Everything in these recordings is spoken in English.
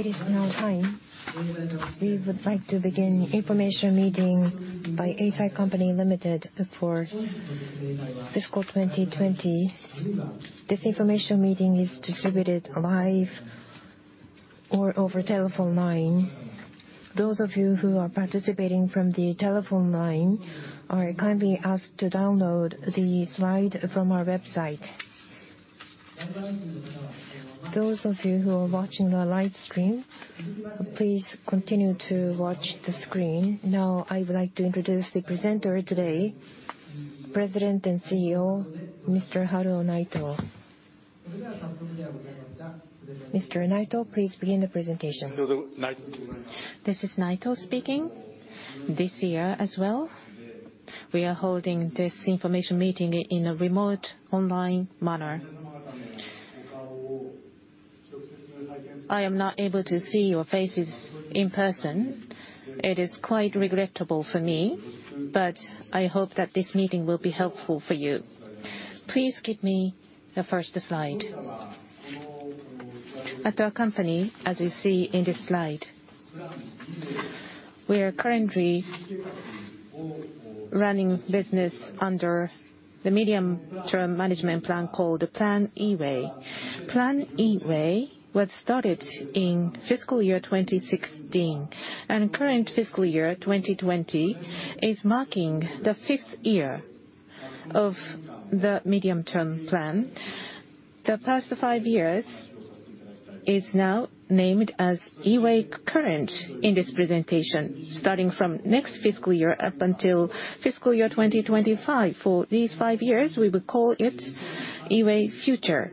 It is now time. We would like to begin Information Meeting by Eisai Co Ltd. for Fiscal 2020. This information meeting is distributed live or over telephone line. Those of you who are participating from the telephone line are kindly asked to download the slide from our website. Those of you who are watching the live stream, please continue to watch the screen. Now, I would like to introduce the presenter today, President and CEO, Mr. Haruo Naito. Mr. Naito, please begin the presentation. This is Naito speaking. This year as well, we are holding this information meeting in a remote online manner. I am not able to see your faces in person. It is quite regrettable for me, but I hope that this meeting will be helpful for you. Please give me the first slide. At our company, as you see in this slide, we are currently running business under the medium-term management plan called Plan EWAY. Plan EWAY was started in fiscal year 2016, and current fiscal year 2020 is marking the fifth year of the medium-term plan. The past five years is now named as EWAY Current in this presentation. Starting from next fiscal year up until fiscal year 2025. For these five years, we will call it EWAY Future.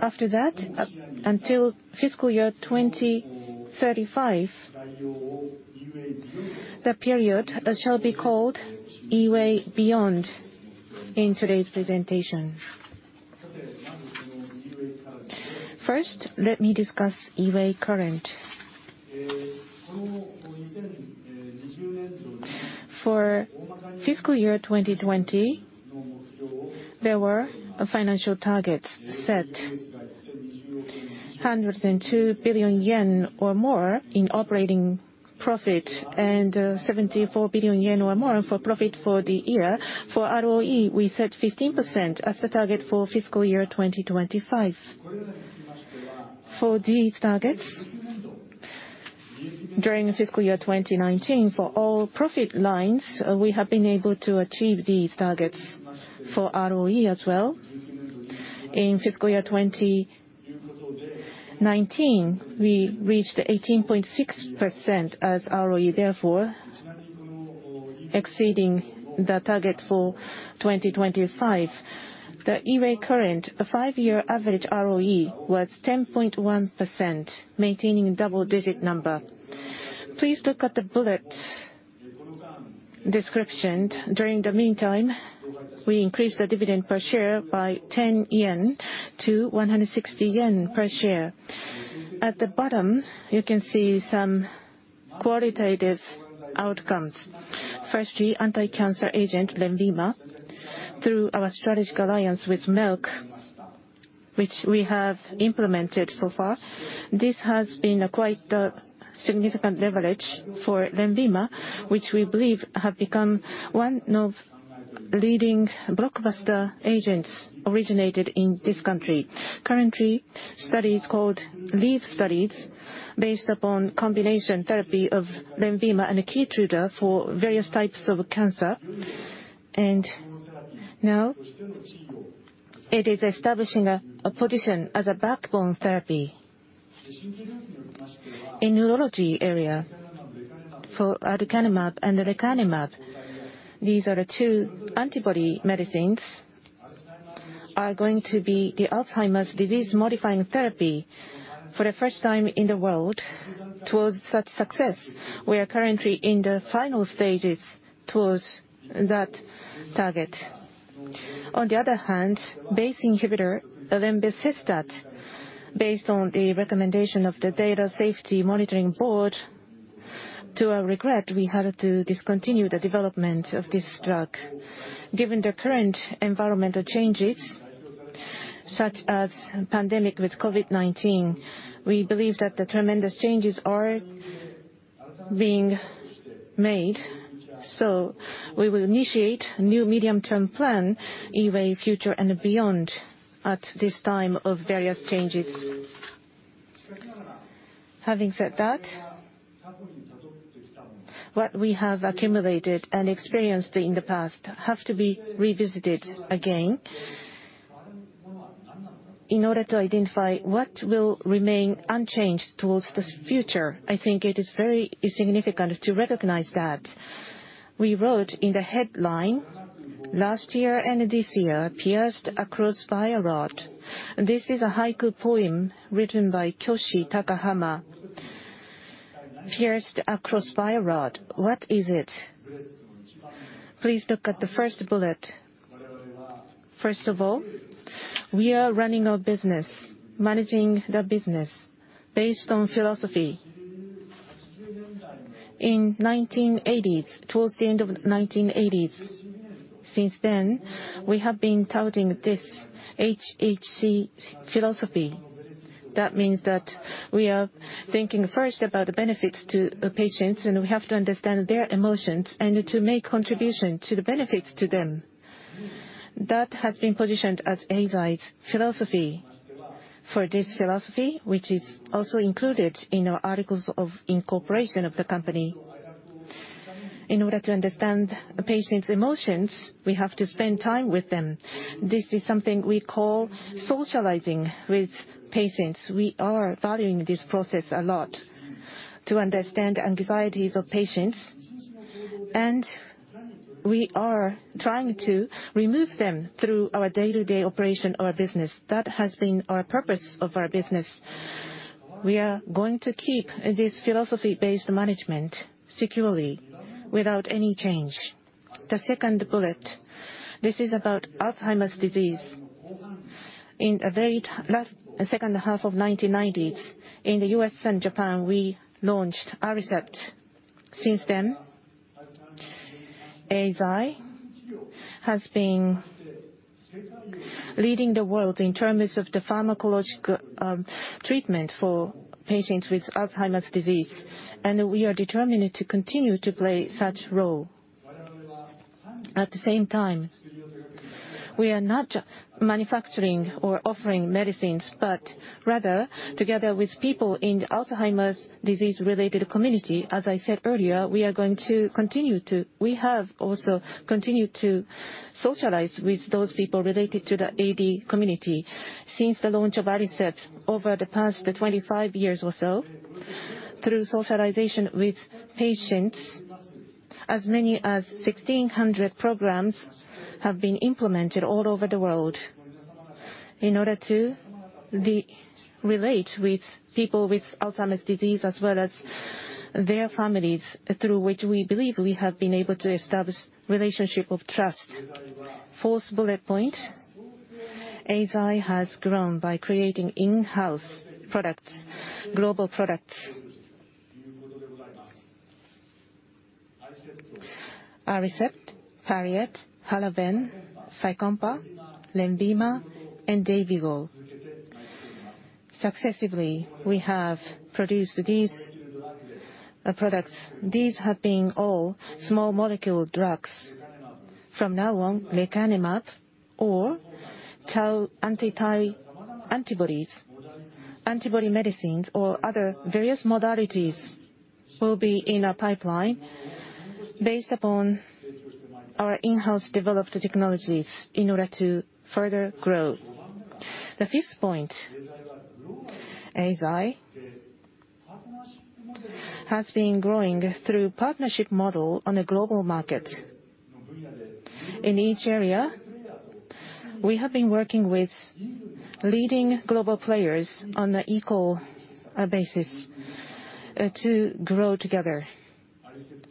After that, until fiscal year 2035, the period shall be called EWAY Beyond in today's presentation. First, let me discuss EWAY Current. For fiscal year 2020, there were financial targets set, 102 billion yen or more in operating profit and 74 billion yen or more in profit for the year. For ROE, we set 15% as the target for fiscal year 2025. For these targets, during fiscal year 2019, for all profit lines, we have been able to achieve these targets. For ROE as well. In fiscal year 2019, we reached 18.6% as ROE, therefore, exceeding the target for 2025. The EWAY Current, the five-year average ROE was 10.1%, maintaining double-digit number. Please look at the bullet description. During the meantime, we increased the dividend per share by 10 yen to 160 yen per share. At the bottom, you can see some qualitative outcomes. Firstly, anticancer agent, LENVIMA, through our strategic alliance with Merck, which we have implemented so far. This has been quite the significant leverage for LENVIMA, which we believe has become one of leading blockbuster agents originated in this country. Currently, studies called LEAP studies based upon combination therapy of LENVIMA and KEYTRUDA for various types of cancer. Now it is establishing a position as a backbone therapy. In neurology area for aducanumab and lecanemab, these are the two antibody medicines are going to be the Alzheimer's disease modifying therapy for the first time in the world towards such success. We are currently in the final stages towards that target. On the other hand, BACE inhibitor, elenbecestat, based on the recommendation of the Data Safety Monitoring Board, to our regret, we had to discontinue the development of this drug. Given the current environmental changes such as pandemic with COVID-19, we believe that the tremendous changes are being made, we will initiate a new medium-term plan, EWAY Future & Beyond, at this time of various changes. Having said that, what we have accumulated and experienced in the past have to be revisited again in order to identify what will remain unchanged towards the future. I think it is very significant to recognize that. We wrote in the headline, "Last year and this year pierced across by a rod." This is a haiku poem written by Kyoshi Takahama. "Pierced across by a rod," what is it? Please look at the first bullet. First of all, we are running a business, managing the business based on philosophy. In 1980s, towards the end of 1980s, since then, we have been touting this hhc philosophy. That means that we are thinking first about the benefits to the patients, and we have to understand their emotions and to make contribution to the benefits to them. That has been positioned as Eisai's philosophy. For this philosophy, which is also included in our articles of incorporation of the company, in order to understand a patient's emotions, we have to spend time with them. This is something we call socializing with patients. We are valuing this process a lot to understand anxieties of patients, and we are trying to remove them through our day-to-day operation of our business. That has been our purpose of our business. We are going to keep this philosophy-based management securely without any change. The second bullet, this is about Alzheimer's disease. In the very last H2 of 1990s, in the U.S. and Japan, we launched Aricept. Since then, Eisai has been leading the world in terms of the pharmacological treatment for patients with Alzheimer's disease. We are determined to continue to play such role. At the same time, we are not manufacturing or offering medicines, but rather, together with people in Alzheimer's disease related community, as I said earlier, we have also continued to socialize with those people related to the AD community. Since the launch of Aricept over the past 25 years or so, through socialization with patients, as many as 1,600 programs have been implemented all over the world in order to relate with people with Alzheimer's disease as well as their families, through which we believe we have been able to establish relationship of trust. Fourth bullet point, Eisai has grown by creating in-house products, global products. Aricept, Pariet, Halaven, Fycompa, LENVIMA, and DAYVIGO. Successively, we have produced these products. These have been all small molecule drugs. From now on, lecanemab or tau anti-tau antibodies, antibody medicines, or other various modalities will be in our pipeline based upon our in-house developed technologies in order to further grow. The fifth point, Eisai has been growing through partnership model on a global market. In each area, we have been working with leading global players on the equal basis to grow together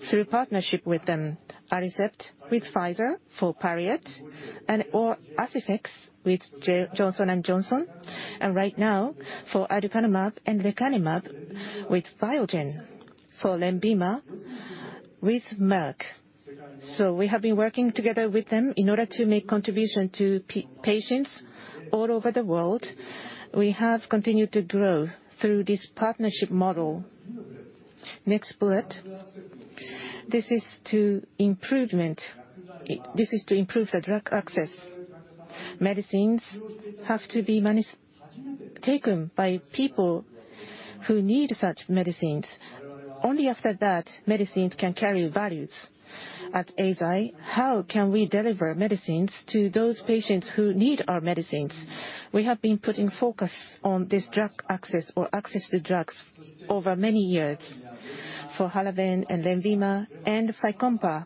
through partnership with them, Aricept, with Pfizer for Pariet, and Aciphex with Johnson & Johnson. Right now, for aducanumab and lecanemab with Biogen. For LENVIMA with Merck. We have been working together with them in order to make contribution to patients all over the world. We have continued to grow through this partnership model. Next bullet. This is to improve the drug access. Medicines have to be taken by people who need such medicines. Only after that, medicines can carry values. At Eisai, how can we deliver medicines to those patients who need our medicines? We have been putting focus on this drug access or access to drugs over many years. For Halaven and LENVIMA and Fycompa,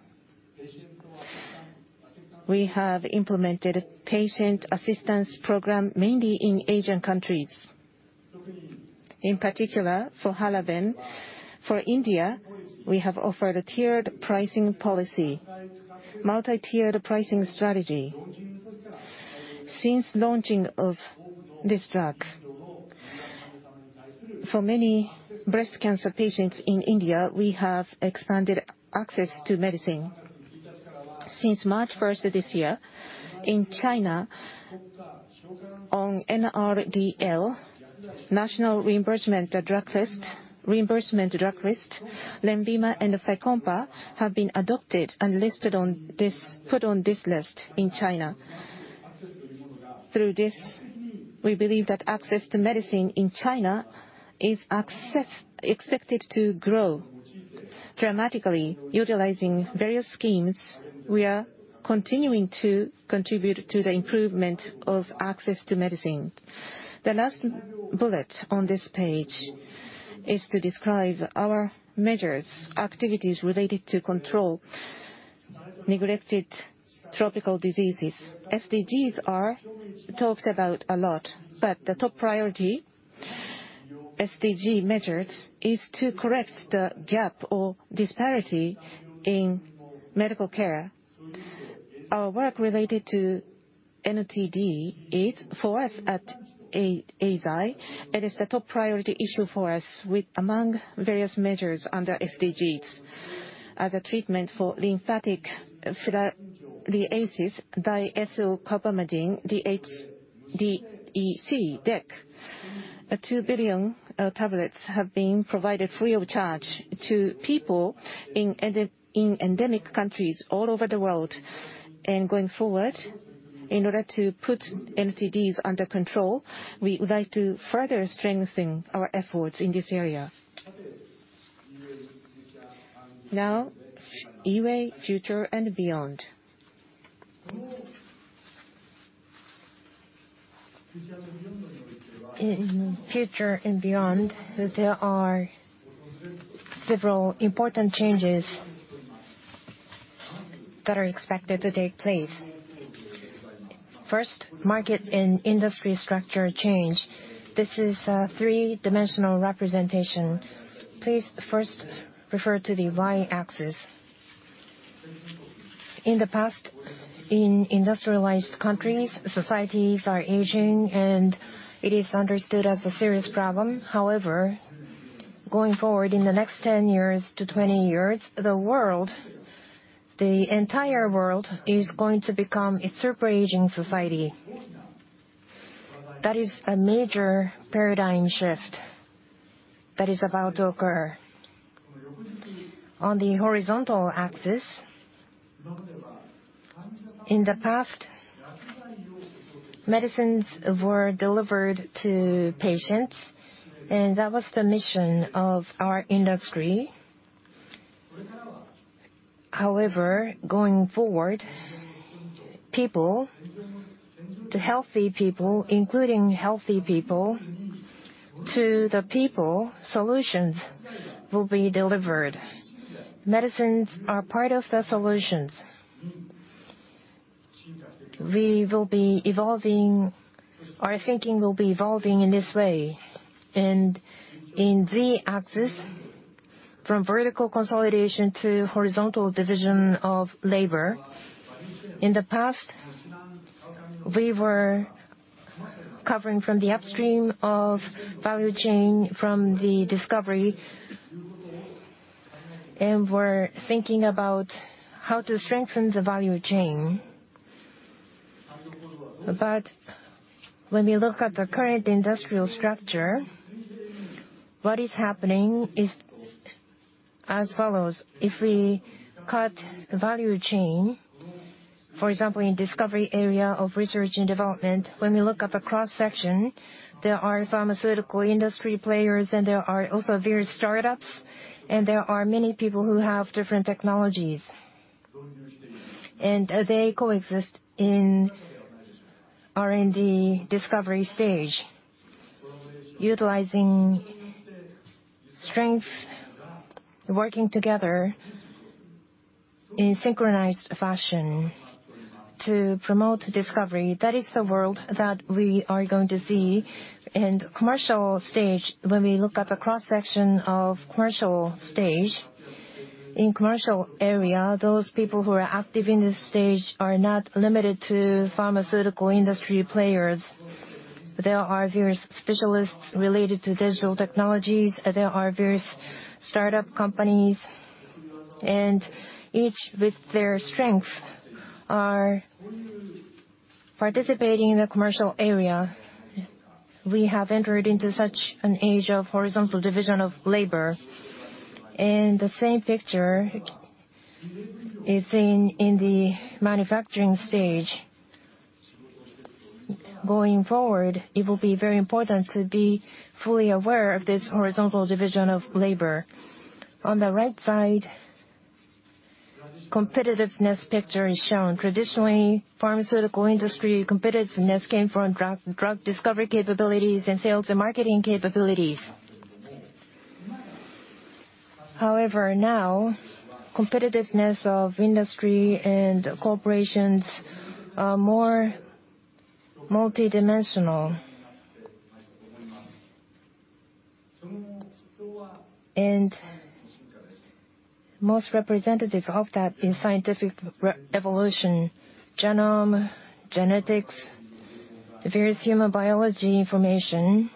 we have implemented patient assistance program mainly in Asian countries. In particular, for Halaven, for India, we have offered a tiered pricing policy, multi-tiered pricing strategy. Since launching of this drug, for many breast cancer patients in India, we have expanded access to medicine. Since March 1st of this year, in China on NRDL, National Reimbursement Drug List, LENVIMA and Fycompa have been adopted and listed on this, put on this list in China. Through this, we believe that access to medicine in China is expected to grow dramatically. Utilizing various schemes, we are continuing to contribute to the improvement of access to medicine. The last bullet on this page is to describe our measures, activities related to control neglected tropical diseases. SDGs are talked about a lot, but the top priority SDG measure is to correct the gap or disparity in medical care. Our work related to NTD, for us at Eisai, it is the top priority issue for us among various measures under SDGs. Going forward, in order to put NTDs under control, we would like to further strengthen our efforts in this area. Eisai Future & Beyond. In Future & Beyond, there are several important changes that are expected to take place. First, market and industry structure change. This is a three-dimensional representation. Please first refer to the Y-axis. In the past, in industrialized countries, societies are aging, and it is understood as a serious problem. Going forward, in the next 10 years to 20 years, the entire world is going to become a super-aging society. That is a major paradigm shift that is about to occur. On the horizontal axis, in the past, medicines were delivered to patients, and that was the mission of our industry. However, going forward, including healthy people, to the people, solutions will be delivered. Medicines are part of the solutions. Our thinking will be evolving in this way. In Z-axis, from vertical consolidation to horizontal division of labor. In the past, we were covering from the upstream of value chain from the discovery, and were thinking about how to strengthen the value chain. When we look at the current industrial structure, what is happening is as follows. If we cut value chain, for example, in discovery area of research and development, when we look at the cross-section, there are pharmaceutical industry players, and there are also various startups, and there are many people who have different technologies. They coexist in R&D discovery stage, utilizing strengths, working together in synchronized fashion to promote discovery. That is the world that we are going to see. Commercial stage, when we look at the cross-section of commercial stage, in commercial area, those people who are active in this stage are not limited to pharmaceutical industry players. There are various specialists related to digital technologies, there are various startup companies, and each with their strength, are participating in the commercial area. We have entered into such an age of horizontal division of labor. The same picture is seen in the manufacturing stage. Going forward, it will be very important to be fully aware of this horizontal division of labor. On the right side, competitiveness picture is shown. Traditionally, pharmaceutical industry competitiveness came from drug discovery capabilities and sales and marketing capabilities. However, now, competitiveness of industry and corporations are more multidimensional. Most representative of that in scientific evolution, genome, genetics, various human biology information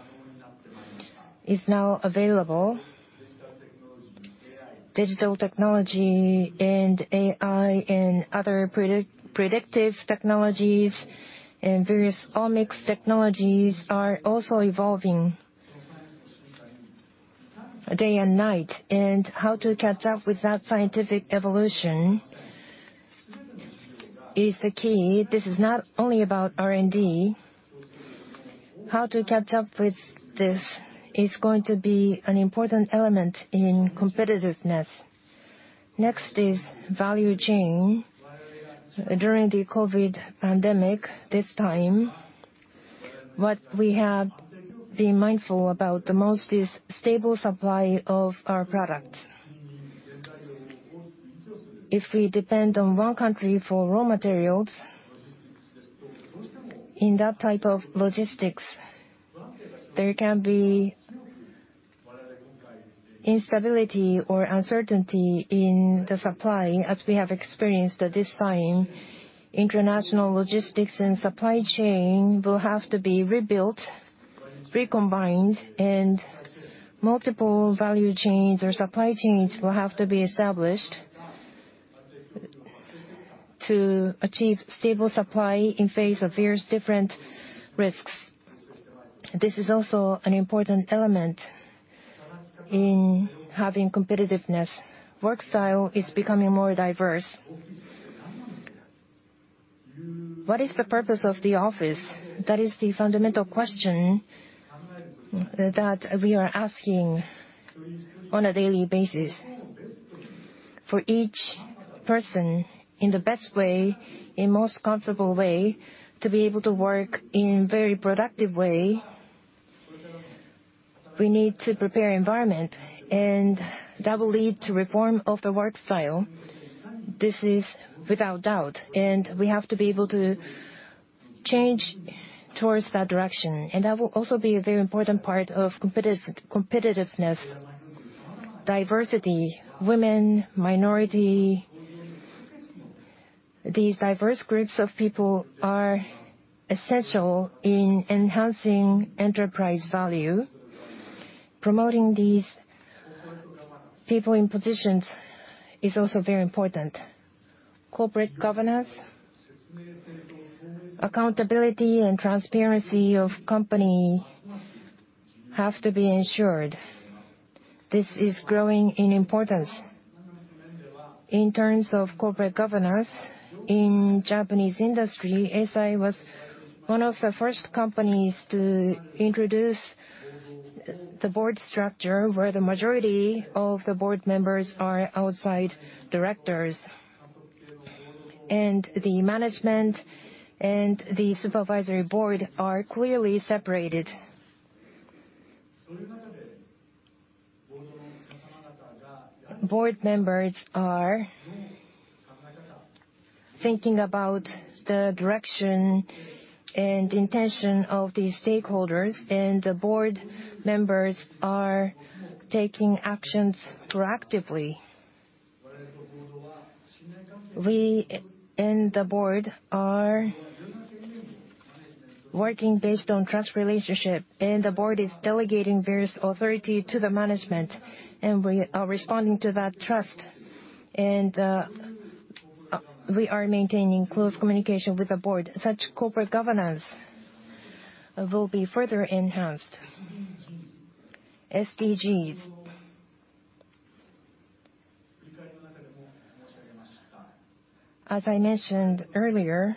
is now available. Digital technology and AI and other predictive technologies and various omics technologies are also evolving day and night. How to catch up with that scientific evolution is the key. This is not only about R&D. How to catch up with this is going to be an important element in competitiveness. Next is value chain. During the COVID pandemic, this time, what we have been mindful about the most is stable supply of our products. If we depend on one country for raw materials, in that type of logistics, there can be instability or uncertainty in the supply, as we have experienced at this time, international logistics and supply chain will have to be rebuilt, recombined, and multiple value chains or supply chains will have to be established to achieve stable supply in face of various different risks. This is also an important element in having competitiveness. Work style is becoming more diverse. What is the purpose of the office? That is the fundamental question that we are asking on a daily basis. For each person, in the best way, in most comfortable way, to be able to work in very productive way, we need to prepare environment, and that will lead to reform of the work style. This is without doubt, and we have to be able to change towards that direction. That will also be a very important part of competitiveness. Diversity. Women, minority, these diverse groups of people are essential in enhancing enterprise value. Promoting these people in positions is also very important. Corporate governance, accountability, and transparency of company have to be ensured. This is growing in importance. In terms of corporate governance in Japanese industry, Eisai was one of the first companies to introduce the board structure, where the majority of the board members are outside directors, and the management and the supervisory board are clearly separated. Board members are thinking about the direction and intention of the stakeholders, and the board members are taking actions proactively. We in the board are working based on trust relationship, and the board is delegating various authority to the management, and we are responding to that trust, and we are maintaining close communication with the board. Such corporate governance will be further enhanced. SDGs. As I mentioned earlier,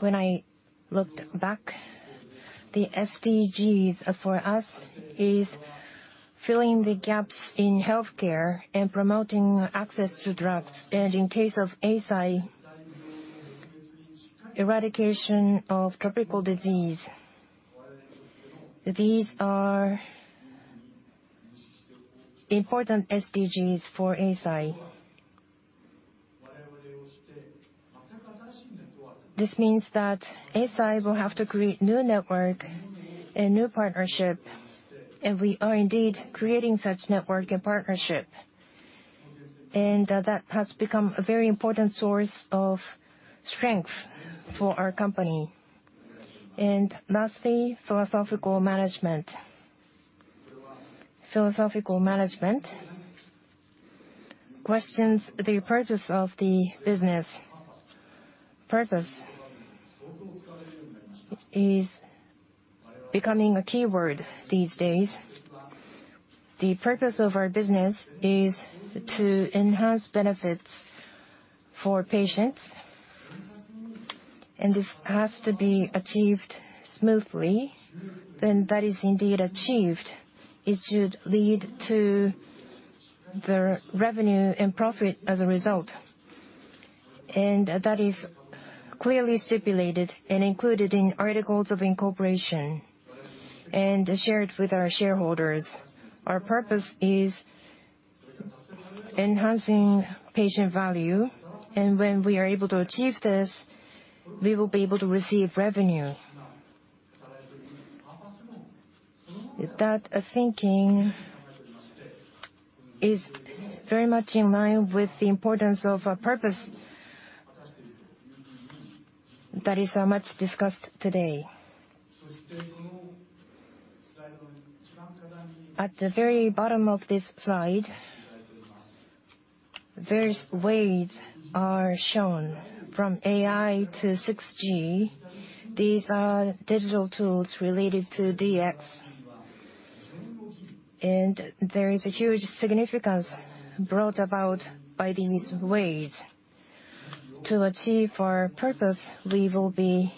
when I looked back, the SDGs for us is filling the gaps in healthcare and promoting access to drugs. In case of Eisai, eradication of tropical disease. These are important SDGs for Eisai. This means that Eisai will have to create new network and new partnership, and we are indeed creating such network and partnership. That has become a very important source of strength for our company. Lastly, philosophical management. Philosophical management questions the purpose of the business. Purpose is becoming a keyword these days. The purpose of our business is to enhance benefits for patients, and this has to be achieved smoothly. When that is indeed achieved, it should lead to the revenue and profit as a result. That is clearly stipulated and included in articles of incorporation and shared with our shareholders. Our purpose is enhancing patient value. When we are able to achieve this, we will be able to receive revenue. That thinking is very much in line with the importance of a purpose that is so much discussed today. At the very bottom of this slide, various waves are shown, from AI to 6G. These are digital tools related to DX. There is a huge significance brought about by these waves. To achieve our purpose, we will be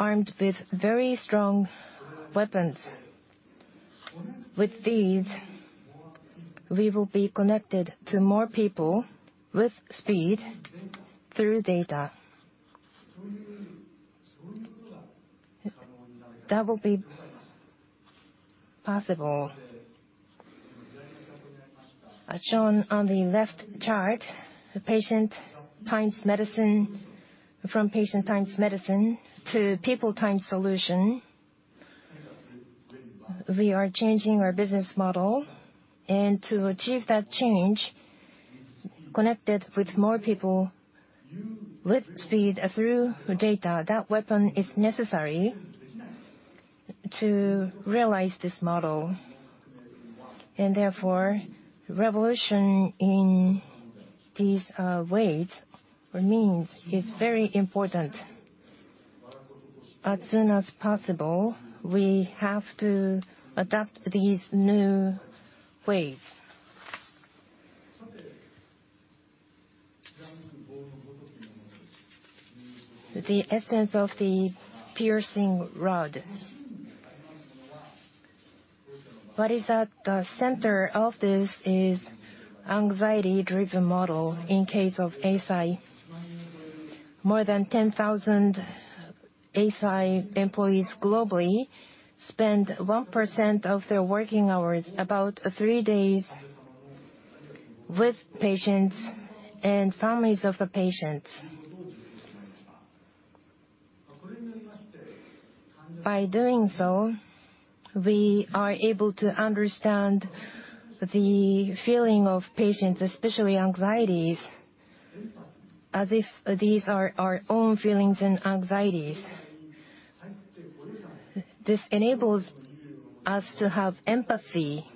armed with very strong weapons. With these, we will be connected to more people with speed through data. That will be possible. As shown on the left chart, from patient-times-medicine to people-times-solution, we are changing our business model. To achieve that change, connected with more people with speed through data, that weapon is necessary to realize this model. Therefore, revolution in these ways or means is very important. As soon as possible, we have to adapt these new ways. The essence of Eisai's role. What is at the center of this is anxiety-driven model, in case of Eisai. More than 10,000 Eisai employees globally spend 1% of their working hours, about three days, with patients and families of the patients. By doing so, we are able to understand the feeling of patients, especially anxieties, as if these are our own feelings and anxieties. This enables us to have empathy.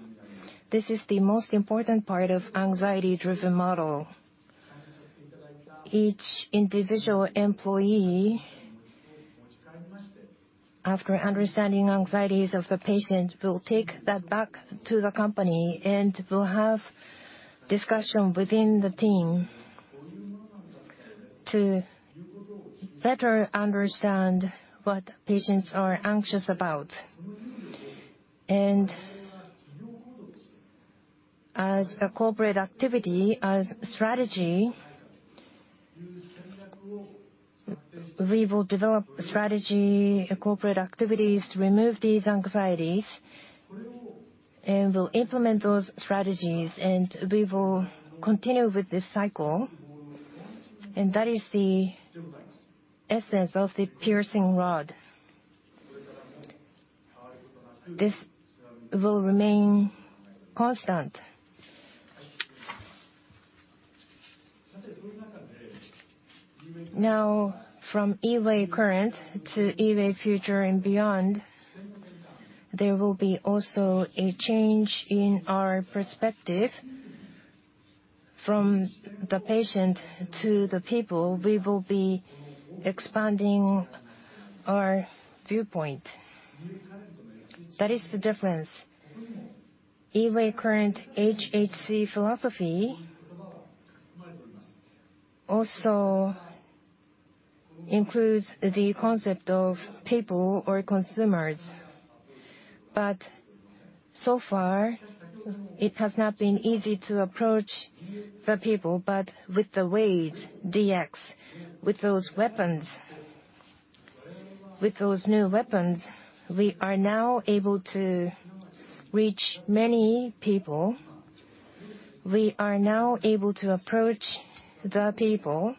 This is the most important part of anxiety-driven model. Each individual employee, after understanding anxieties of the patient, will take that back to the company and will have discussion within the team to better understand what patients are anxious about. As a corporate strategy, we will develop strategy, corporate activities, remove these anxieties, and we'll implement those strategies, and we will continue with this cycle. That is the essence of the piercing rod. This will remain constant. From EWAY Current to EWAY Future & Beyond, there will be also a change in our perspective. From the patient to the people, we will be expanding our viewpoint. That is the difference. EWAY Current hhc philosophy also includes the concept of people or consumers. So far, it has not been easy to approach the people, but with the EWAY, DX, with those new weapons, we are now able to reach many people. We are now able to approach the people.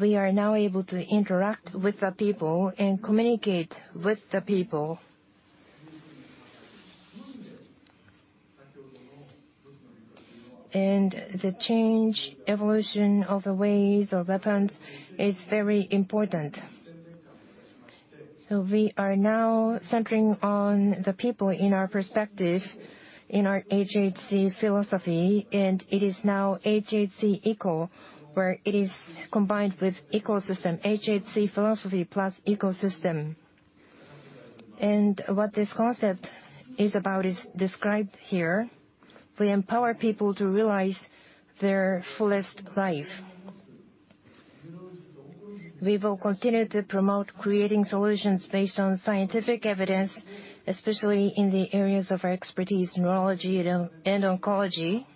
We are now able to interact with the people and communicate with the people. The change, evolution of the EWAY or weapons is very important. We are now centering on the people in our perspective, in our hhc philosophy, and it is now hhc eco, where it is combined with ecosystem, hhc philosophy plus ecosystem. What this concept is about is described here. We empower people to realize their fullest life. We will continue to promote creating solutions based on scientific evidence, especially in the areas of our expertise, neurology and oncology.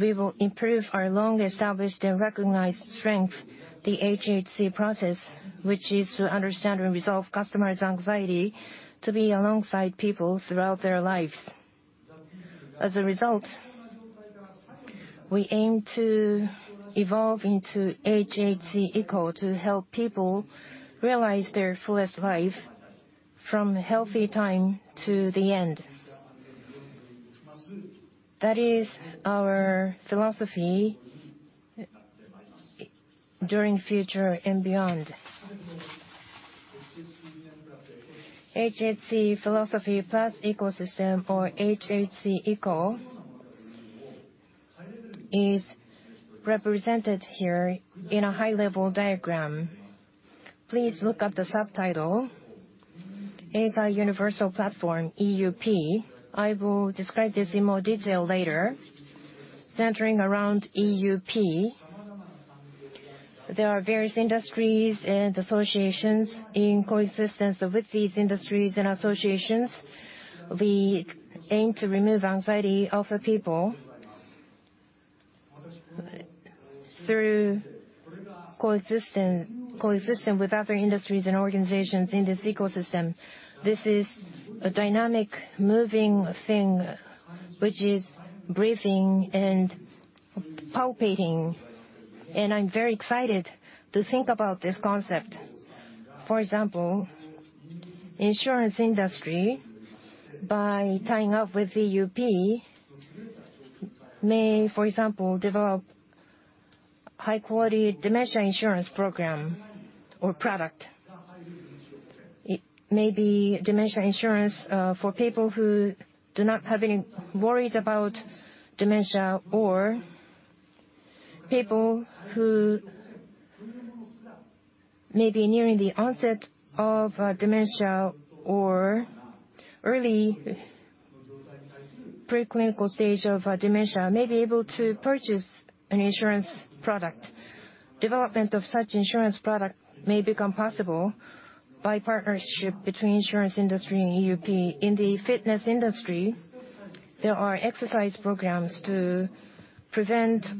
We will improve our long-established and recognized strength, the hhc process, which is to understand and resolve customers' anxiety to be alongside people throughout their lives. As a result, we aim to evolve into hhc eco to help people realize their fullest life from healthy time to the end. That is our philosophy during Future & Beyond. hhc philosophy plus ecosystem, or hhc eco, is represented here in a high-level diagram. Please look at the subtitle, Eisai Universal Platform, EUP. I will describe this in more detail later. Centering around EUP, there are various industries and associations. In coexistence with these industries and associations, we aim to remove anxiety of the people. Through coexistence with other industries and organizations in this ecosystem, this is a dynamic moving thing which is breathing and palpitating. I'm very excited to think about this concept. For example, insurance industry, by tying up with EUP, may, for example, develop high-quality dementia insurance program or product. It may be dementia insurance for people who do not have any worries about dementia, or people who may be nearing the onset of dementia or early preclinical stage of dementia may be able to purchase an insurance product. Development of such insurance product may become possible by partnership between insurance industry and EUP. In the fitness industry, there are exercise programs to prevent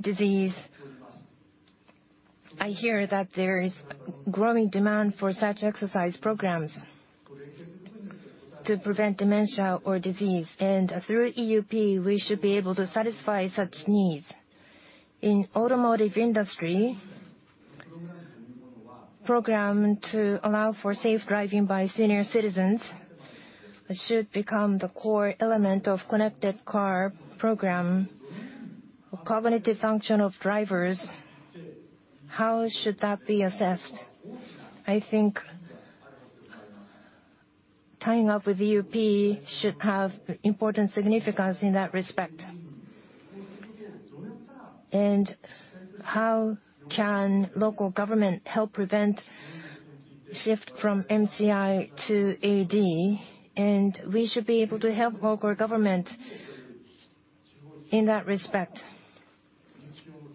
disease. I hear that there is growing demand for such exercise programs to prevent dementia or disease. Through EUP, we should be able to satisfy such needs. In automotive industry, program to allow for safe driving by senior citizens should become the core element of connected car program. Cognitive function of drivers, how should that be assessed? I think tying up with EUP should have important significance in that respect. How can local government help prevent shift from MCI to AD, and we should be able to help local government in that respect.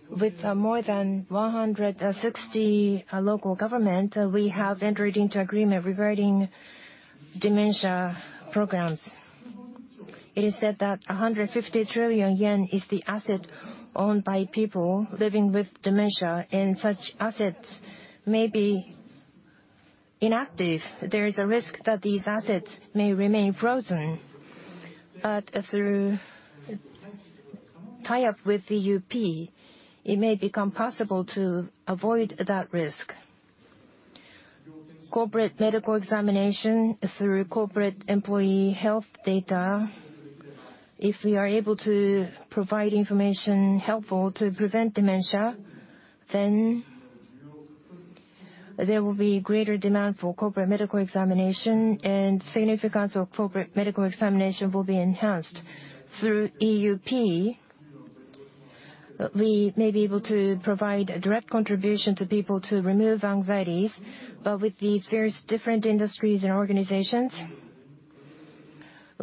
With more than 160 local governments, we have entered into agreement regarding dementia programs. It is said that 150 trillion yen is the asset owned by people living with dementia, and such assets may be inactive. There is a risk that these assets may remain frozen. Through tie-up with EUP, it may become possible to avoid that risk. Corporate medical examination through corporate employee health data. If we are able to provide information helpful to prevent dementia, then there will be greater demand for corporate medical examination, and significance of corporate medical examination will be enhanced. Through EUP, we may be able to provide a direct contribution to people to remove anxieties. With these various different industries and organizations,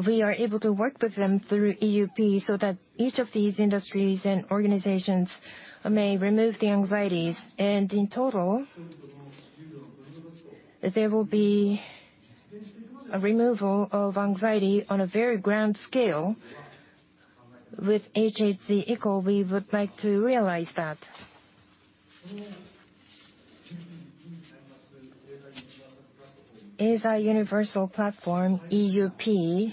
we are able to work with them through EUP so that each of these industries and organizations may remove the anxieties. In total, there will be a removal of anxiety on a very grand scale. With hhc eco, we would like to realize that. Eisai Universal Platform, EUP,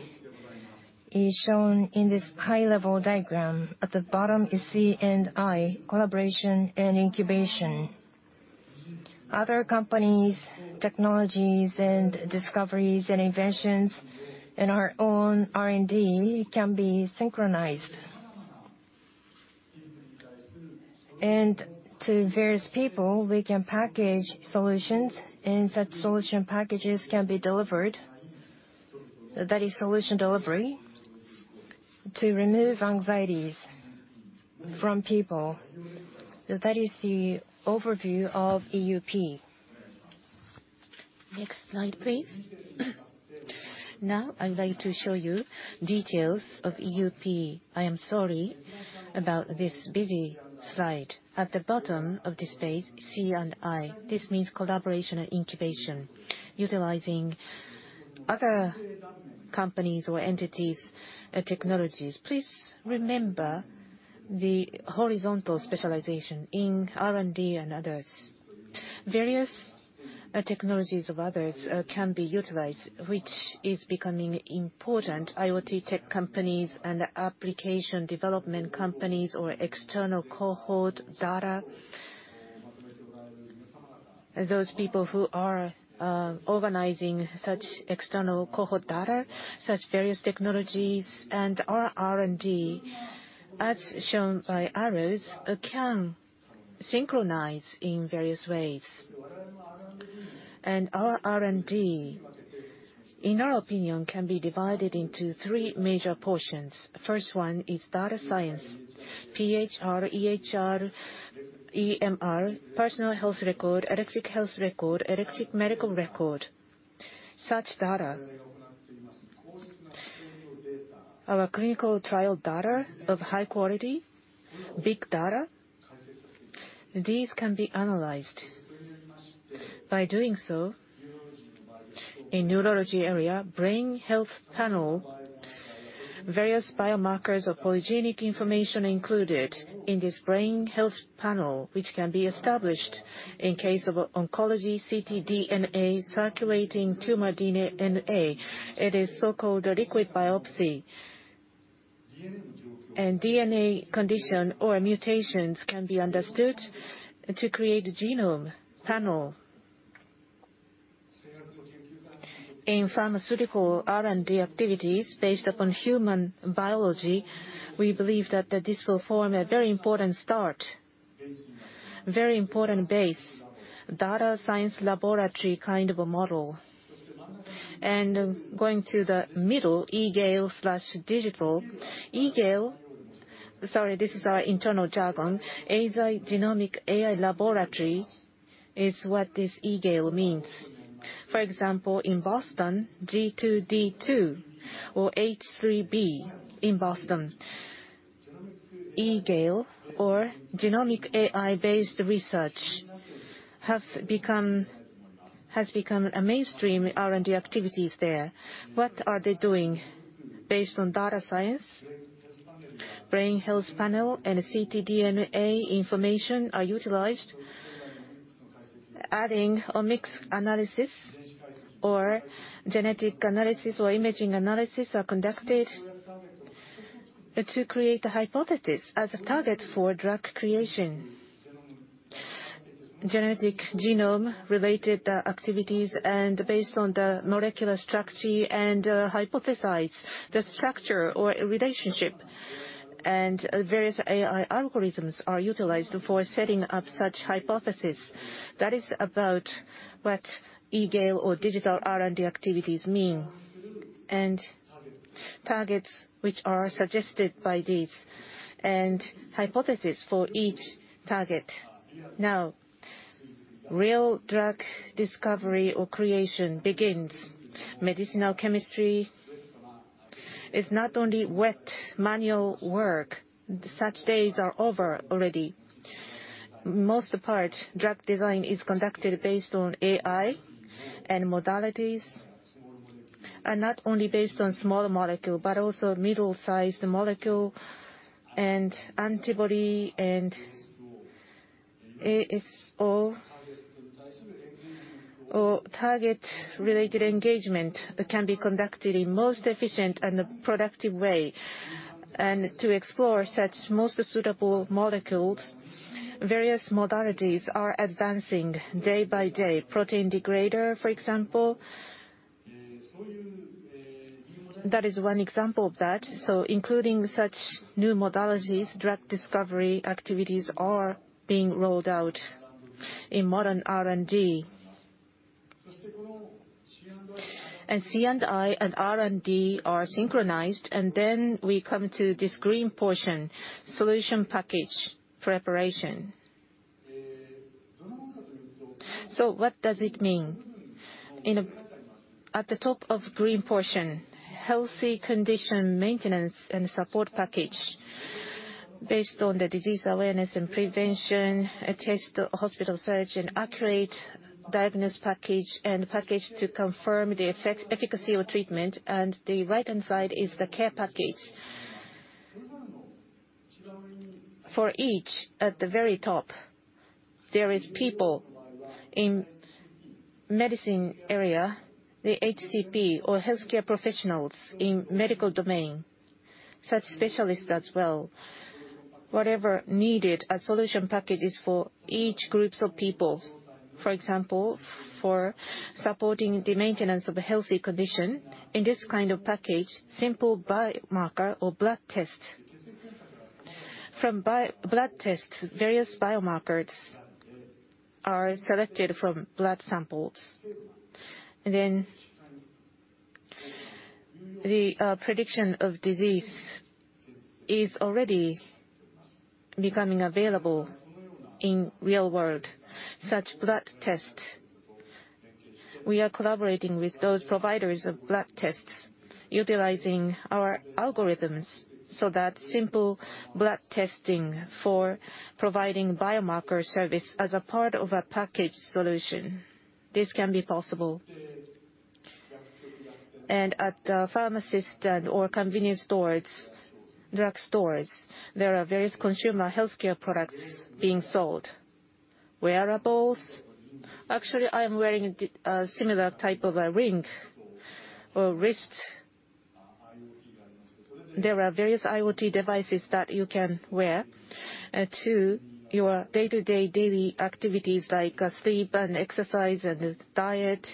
is shown in this high-level diagram. At the bottom is C&I, collaboration and incubation. Other companies' technologies and discoveries and inventions and our own R&D can be synchronized. To various people, we can package solutions, and such solution packages can be delivered, that is solution delivery, to remove anxieties from people. That is the overview of EUP. Next slide, please. I would like to show you details of EUP. I am sorry about this busy slide. At the bottom of this page, C&I. This means collaboration and incubation, utilizing other companies' or entities' technologies. Please remember the horizontal specialization in R&D and others. Various technologies of others can be utilized, which is becoming important. IoT tech companies and application development companies or external cohort data. Those people who are organizing such external cohort data, such various technologies, and our R&D, as shown by arrows, can synchronize in various ways. Our R&D, in our opinion, can be divided into three major portions. First one is data science, PHR, EHR, EMR, personal health record, electronic health record, electronic medical record. Such data. Our clinical trial data of high quality, big data, these can be analyzed. In neurology area, brain health panel, various biomarkers of polygenic information included in this brain health panel, which can be established in case of oncology, ctDNA, circulating tumor DNA. It is so-called a liquid biopsy. DNA condition or mutations can be understood to create a genome panel. In pharmaceutical R&D activities based upon human biology, we believe that this will form a very important start, very important base. Data science laboratory kind of a model. Going to the middle, E-GALE/Digital. E-GALE Sorry, this is our internal jargon. Eisai Genomic AI Laboratories is what this E-GALE means. For example, in Boston, G2D2 or H3B in Boston, E-GALE or genomic AI-based research has become a mainstream R&D activities there. What are they doing? Based on data science, brain health panel and ctDNA information are utilized. Adding omics analysis or genetic analysis or imaging analysis are conducted to create a hypothesis as a target for drug creation. Based on the molecular structure and hypothesize the structure or relationship. Various AI algorithms are utilized for setting up such hypothesis. That is about what E-GALE or digital R&D activities mean, and targets which are suggested by these, and hypothesis for each target. Now, real drug discovery or creation begins. Medicinal chemistry is not only wet manual work. Such days are over already. Most part, drug design is conducted based on AI and modalities. Not only based on small molecule, but also middle-sized molecule and antibody and ASO or target-related engagement can be conducted in most efficient and productive way. To explore such most suitable molecules, various modalities are advancing day by day. Protein degrader, for example. That is one example of that. Including such new modalities, drug discovery activities are being rolled out in modern R&D. C&I and R&D are synchronized, we come to this green portion, solution package preparation. What does it mean? At the top of green portion, healthy condition maintenance and support package. Based on the disease awareness and prevention, a test hospital search and accurate diagnosis package, and package to confirm the efficacy of treatment. The right-hand side is the care package. For each, at the very top, there is people in medicine area, the HCP or healthcare professionals in medical domain, such specialists as well. Whatever needed, a solution package is for each groups of people. For example, for supporting the maintenance of a healthy condition, in this kind of package, simple biomarker or blood test. From blood tests, various biomarkers are selected from blood samples. The prediction of disease is already becoming available in real world, such blood test. We are collaborating with those providers of blood tests, utilizing our algorithms so that simple blood testing for providing biomarker service as a part of a package solution. This can be possible. At pharmacist or convenience stores, drug stores, there are various consumer healthcare products being sold. Wearables. Actually, I'm wearing a similar type of a ring or wrist. There are various IoT devices that you can wear to your day-to-day daily activities like sleep and exercise and diet.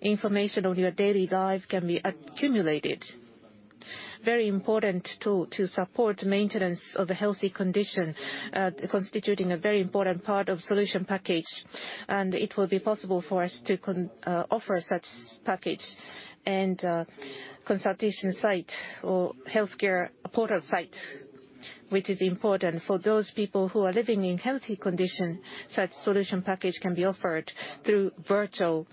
Information on your daily life can be accumulated, a very important tool to support maintenance of a healthy condition, constituting a very important part of solution package. It will be possible for us to offer such package and a consultation site or healthcare portal site, which is important for those people who are living in healthy condition. Such solution package can be offered through virtual.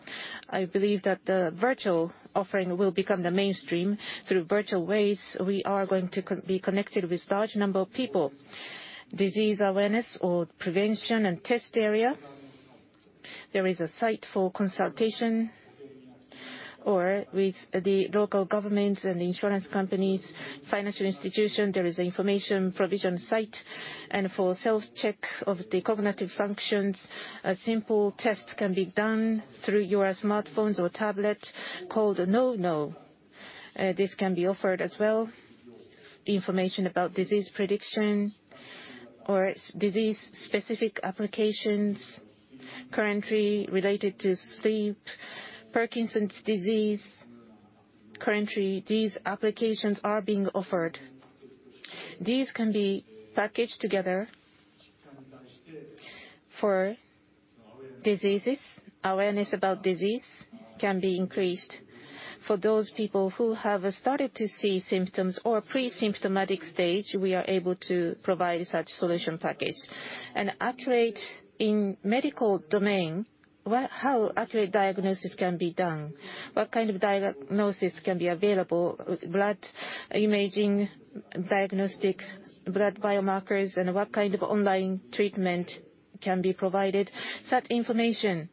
I believe that the virtual offering will become the mainstream. Through virtual ways, we are going to be connected with large number of people. Disease awareness or prevention and test area. There is a site for consultation, or with the local governments and insurance companies, financial institution, there is an information provision site. For self-check of the cognitive functions, a simple test can be done through your smartphones or tablet called NouKNOW. This can be offered as well. The information about disease prediction or disease-specific applications currently related to sleep, Parkinson's disease, currently these applications are being offered. These can be packaged together for diseases. Awareness about disease can be increased. For those people who have started to see symptoms or pre-symptomatic stage, we are able to provide such solution package. In medical domain, how accurate diagnosis can be done, what kind of diagnosis can be available, blood imaging diagnostics, blood biomarkers, and what kind of online treatment can be provided, such information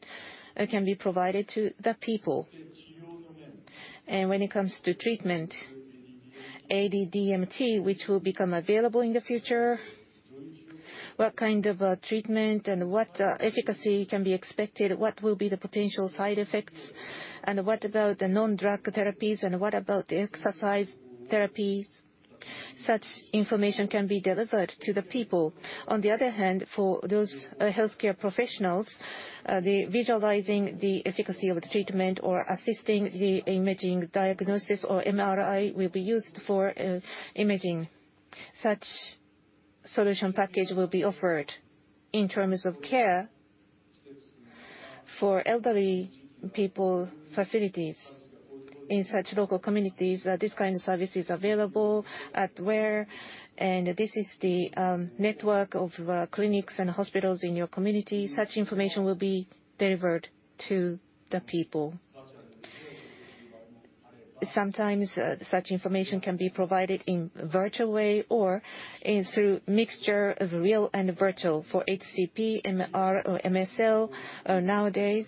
can be provided to the people. When it comes to treatment, AD-DMT, which will become available in the future, what kind of treatment and what efficacy can be expected, what will be the potential side effects, and what about the non-drug therapies, and what about the exercise therapies, such information can be delivered to the people. On the other hand, for those healthcare professionals, visualizing the efficacy of the treatment or assisting the imaging diagnosis or MRI will be used for imaging. Such solution package will be offered in terms of care for elderly people facilities. In such local communities, this kind of service is available, this is the network of clinics and hospitals in your community. Such information will be delivered to the people. Sometimes such information can be provided in virtual way or through mixture of real and virtual for HCP, MR or MSL. Nowadays,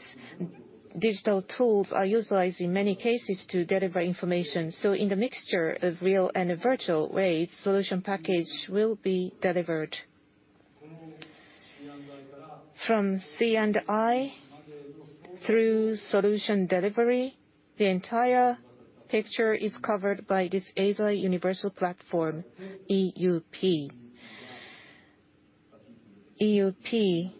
digital tools are utilized in many cases to deliver information, in the mixture of real and virtual ways, solution package will be delivered. From C&I through solution delivery, the entire picture is covered by this Eisai Universal Platform, EUP. EUP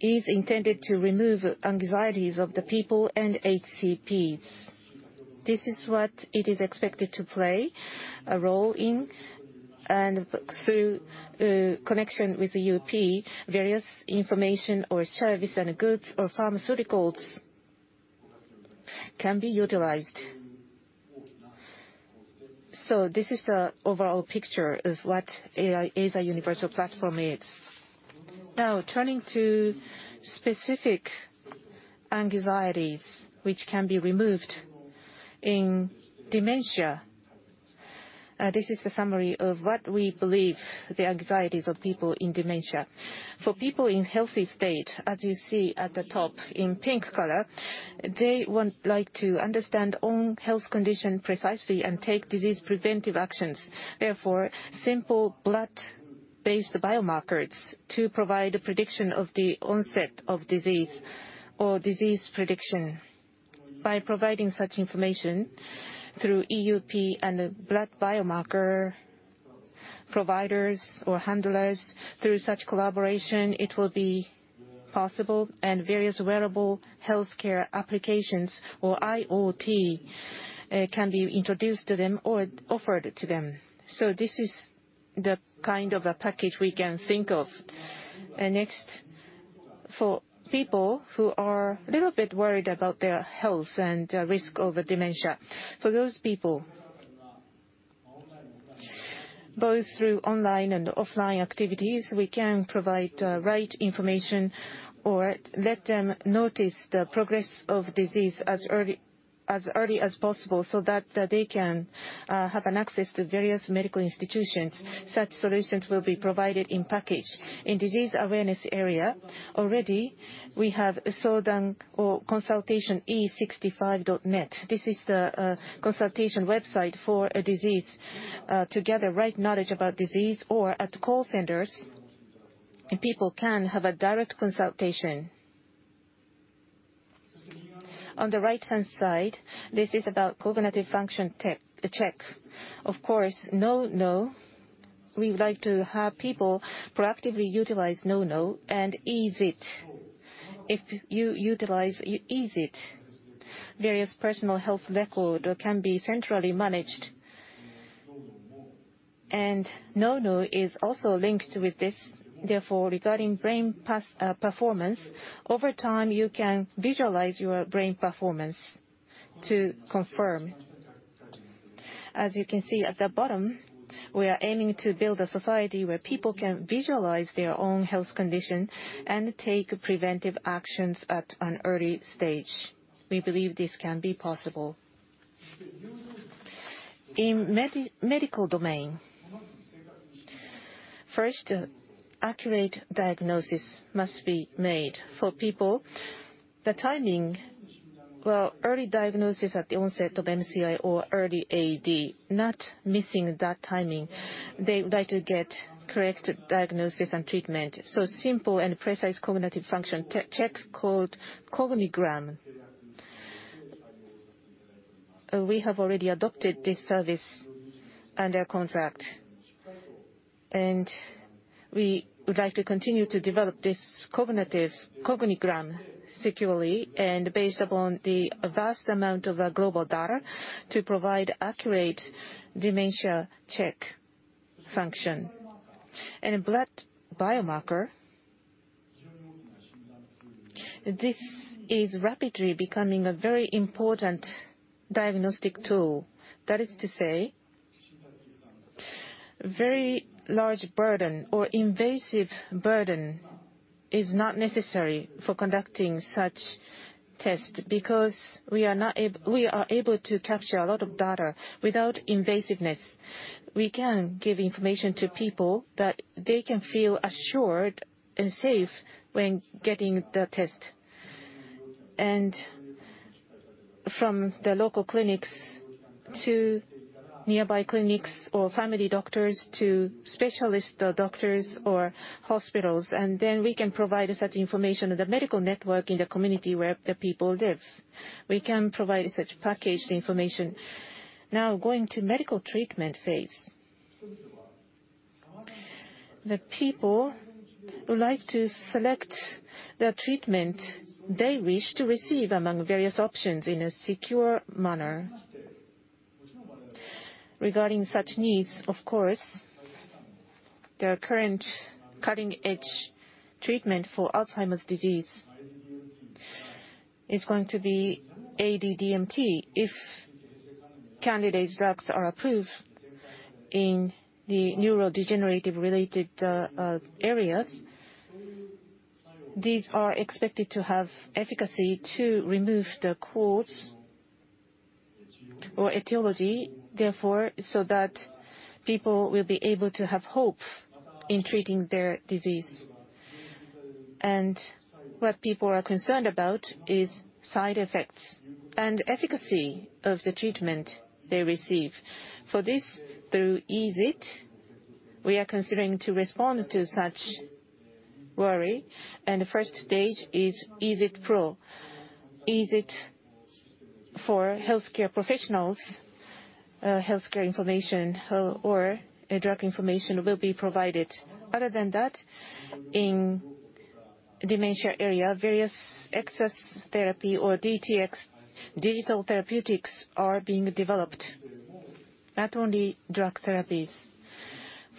is intended to remove anxieties of the people and HCPs. This is what it is expected to play a role in. Through connection with the EUP, various information or service and goods or pharmaceuticals can be utilized. This is the overall picture of what Eisai Universal Platform is. Turning to specific anxieties which can be removed in dementia. This is the summary of what we believe the anxieties of people in dementia. For people in healthy state, as you see at the top in pink color, they would like to understand own health condition precisely and take disease preventive actions. Simple blood-based biomarkers to provide a prediction of the onset of disease or disease prediction. By providing such information through EUP and blood biomarker providers or handlers, through such collaboration, it will be possible, and various wearable healthcare applications or IoT can be introduced to them or offered to them. This is the kind of a package we can think of. Next, for people who are a little bit worried about their health and risk of dementia. For those people, both through online and offline activities, we can provide right information or let them notice the progress of disease as early as possible so that they can have an access to various medical institutions. Such solutions will be provided in package. In disease awareness area, already we have Soudan or consultation e65.net. This is the consultation website for a disease to gather right knowledge about disease, or at call centers, people can have a direct consultation. On the right-hand side, this is about cognitive function check. Of course, NouKNOW, we would like to have people proactively utilize NouKNOW and Easiit. If you utilize Easiit, various personal health record can be centrally managed. NouKNOW is also linked with this. Therefore, regarding brain performance, over time, you can visualize your brain performance to confirm. As you can see at the bottom, we are aiming to build a society where people can visualize their own health condition and take preventive actions at an early stage. We believe this can be possible. In medical domain, first, accurate diagnosis must be made for people. The timing for early diagnosis at the onset of MCI or early AD, not missing that timing, they would like to get correct diagnosis and treatment. Simple and precise cognitive function check called Cognigram. We have already adopted this service under contract, and we would like to continue to develop this cognitive Cognigram securely and based upon the vast amount of global data to provide accurate dementia check function. Blood biomarker, this is rapidly becoming a very important diagnostic tool. That is to say, very large burden or invasive burden is not necessary for conducting such test. Because we are able to capture a lot of data without invasiveness, we can give information to people that they can feel assured and safe when getting the test. From the local clinics to nearby clinics or family doctors to specialist doctors or hospitals, and then we can provide such information of the medical network in the community where the people live. We can provide such packaged information. Now, going to medical treatment phase. The people would like to select the treatment they wish to receive among various options in a secure manner. Regarding such needs, of course, the current cutting-edge treatment for Alzheimer's disease is going to be AD-DMT. If candidate drugs are approved in the neurodegenerative related areas, these are expected to have efficacy to remove the cause or etiology, therefore, so that people will be able to have hope in treating their disease. What people are concerned about is side effects and efficacy of the treatment they receive. For this, through Easiit, we are considering to respond to such worry, and the first stage is Easiit Pro. Easiit for healthcare professionals, healthcare information or drug information will be provided. Other than that, in dementia area, various access therapy or DTx, digital therapeutics are being developed, not only drug therapies.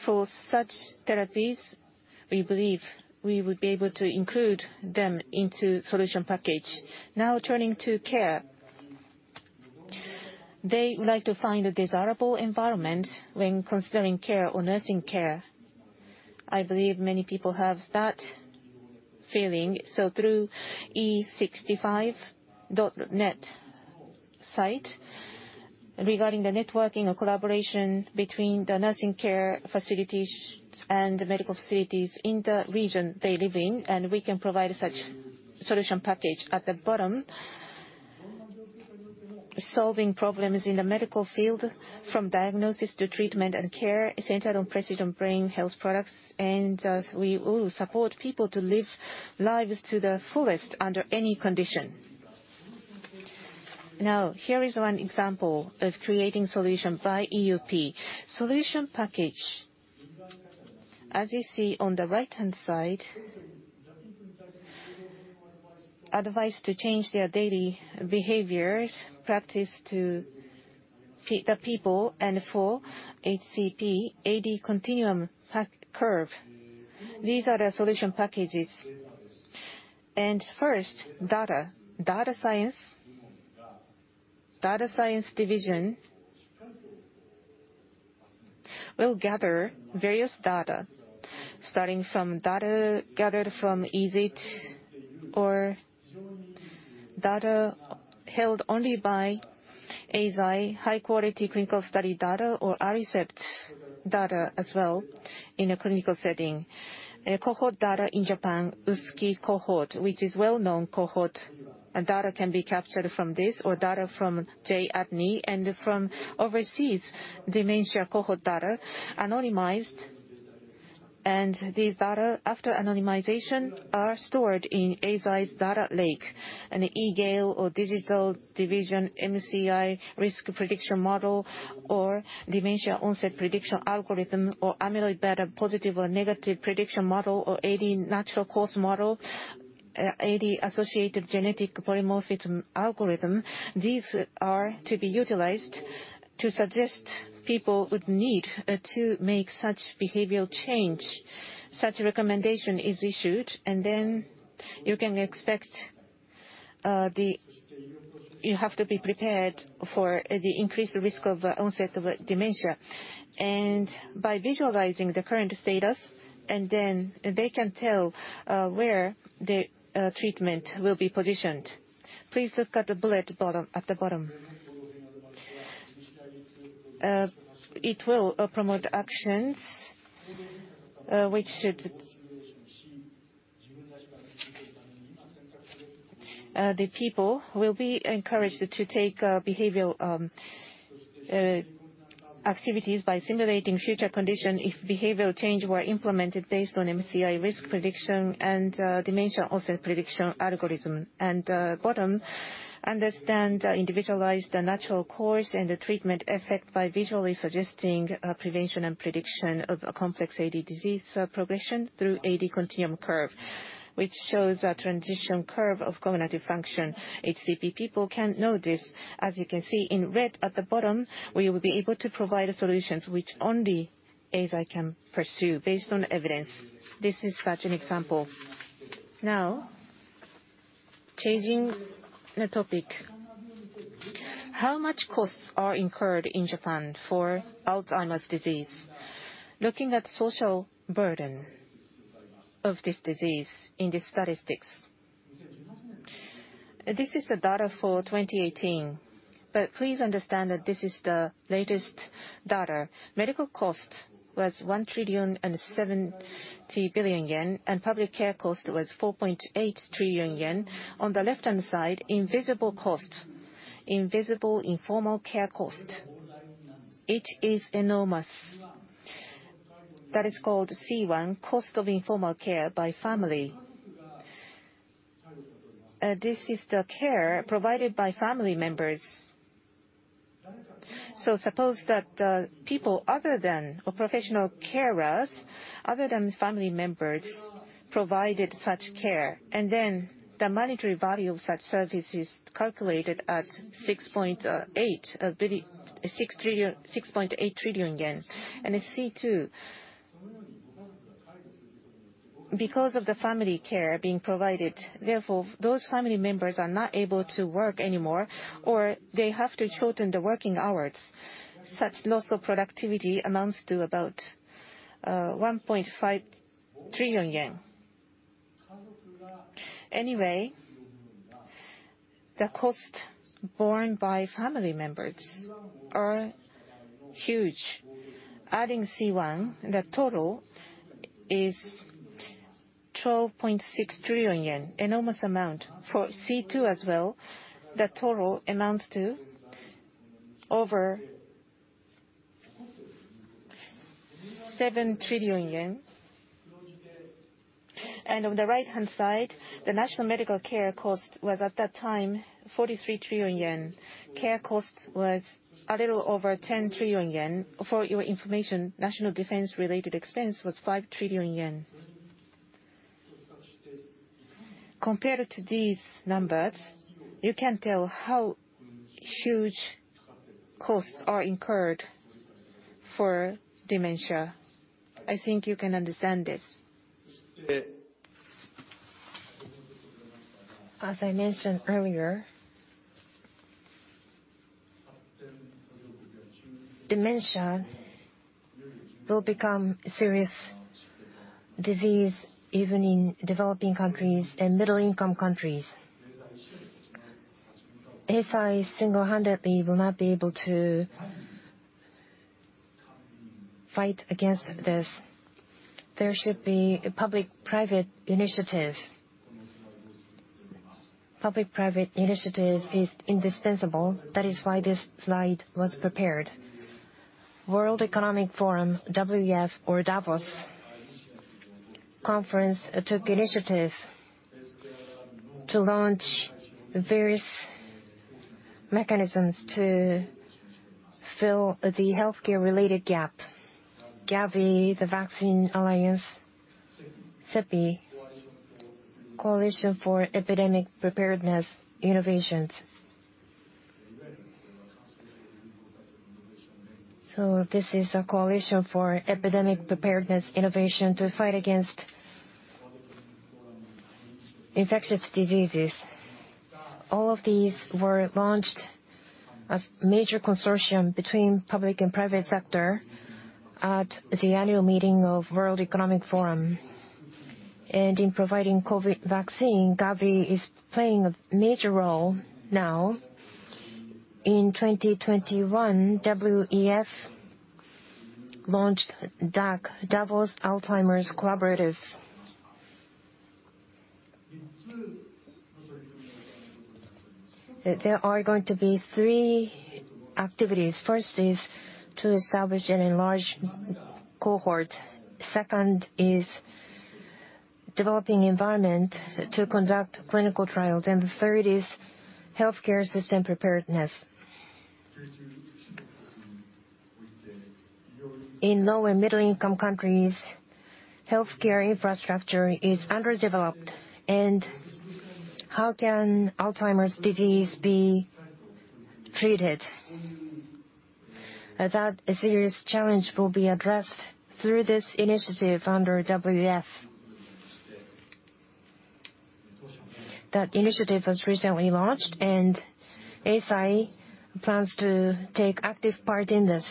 For such therapies, we believe we would be able to include them into solution package. Now turning to care. They would like to find a desirable environment when considering care or nursing care. I believe many people have that feeling. Through e65.net site, regarding the networking or collaboration between the nursing care facilities and the medical facilities in the region they live in, and we can provide such solution package at the bottom. Solving problems in the medical field, from diagnosis to treatment and care centered on precision brain health products. As we will support people to live lives to the fullest under any condition. Now, here is one example of creating solution by EUP. Solution package, as you see on the right-hand side. Advice to change their daily behaviors, practice to the people, and for HCP, AD continuum curve. These are the solution packages. First, data. Data science division will gather various data, starting from data gathered from Easiit or data held only by Eisai, high-quality clinical study data or Aricept data as well in a clinical setting. Cohort data in Japan, Usuki Cohort, which is well-known cohort data can be captured from this, or data from J-ADNI. From overseas dementia cohort data, anonymized. These data, after anonymization, are stored in Eisai's data lake. In the E-GALE or digital division, MCI risk prediction model or dementia onset prediction algorithm or amyloid beta positive or negative prediction model or AD natural course model, AD associated genetic polymorphism algorithm. These are to be utilized to suggest people would need to make such behavioral change. Such recommendation is issued, then you have to be prepared for the increased risk of onset of dementia. By visualizing the current status, they can tell where the treatment will be positioned. Please look at the bullet at the bottom. It will promote actions. The people will be encouraged to take behavioral activities by simulating future condition if behavioral change were implemented based on MCI risk prediction and dementia onset prediction algorithm. Bottom, understand, individualize the natural course and the treatment effect by visually suggesting prevention and prediction of complex AD disease progression through AD continuum curve, which shows a transition curve of cognitive function. HCP people can know this. As you can see in red at the bottom, we will be able to provide solutions which only Eisai can pursue based on evidence. This is such an example. Now, changing the topic. How much costs are incurred in Japan for Alzheimer's disease? Looking at social burden of this disease in these statistics. This is the data for 2018, but please understand that this is the latest data. Medical cost was 1,070 billion yen, and public care cost was 4.8 trillion yen. On the left-hand side, invisible cost, invisible informal care cost. It is enormous. That is called C1, cost of informal care by family. This is the care provided by family members. Suppose that people other than professional carers, other than family members, provided such care, and then the monetary value of such service is calculated at 6.8 trillion yen. C2, because of the family care being provided, therefore, those family members are not able to work anymore, or they have to shorten the working hours. Such loss of productivity amounts to about 1.5 trillion yen. Anyway, the cost borne by family members are huge. Adding C1, the total is 12.6 trillion yen, enormous amount. For C2 as well, the total amounts to over JPY 7 trillion. On the right-hand side, the national medical care cost was, at that time, 43 trillion yen. Care cost was a little over 10 trillion yen. For your information, national defense-related expense was 5 trillion.` Compared to these numbers, you can tell how huge costs are incurred for dementia. I think you can understand this. As I mentioned earlier, dementia will become a serious disease even in developing countries and middle-income countries. Eisai single-handedly will not be able to fight against this. There should be a public-private initiative. Public-private initiative is indispensable. That is why this slide was prepared. World Economic Forum, WEF, or Davos Conference, took initiative to launch various mechanisms to fill the healthcare-related gap. Gavi, the Vaccine Alliance. CEPI, Coalition for Epidemic Preparedness Innovations. This is a coalition for epidemic preparedness innovation to fight against infectious diseases. All of these were launched as major consortium between public and private sector at the annual meeting of World Economic Forum. In providing COVID vaccine, Gavi is playing a major role now. In 2021, WEF launched DAC, Davos Alzheimer's Collaborative. There are going to be three activities. First is to establish an enlarged cohort. Second is developing environment to conduct clinical trials. The third is healthcare system preparedness. In low and middle-income countries, healthcare infrastructure is underdeveloped, and how can Alzheimer's disease be treated? That serious challenge will be addressed through this initiative under WEF. That initiative was recently launched. Eisai plans to take active part in this.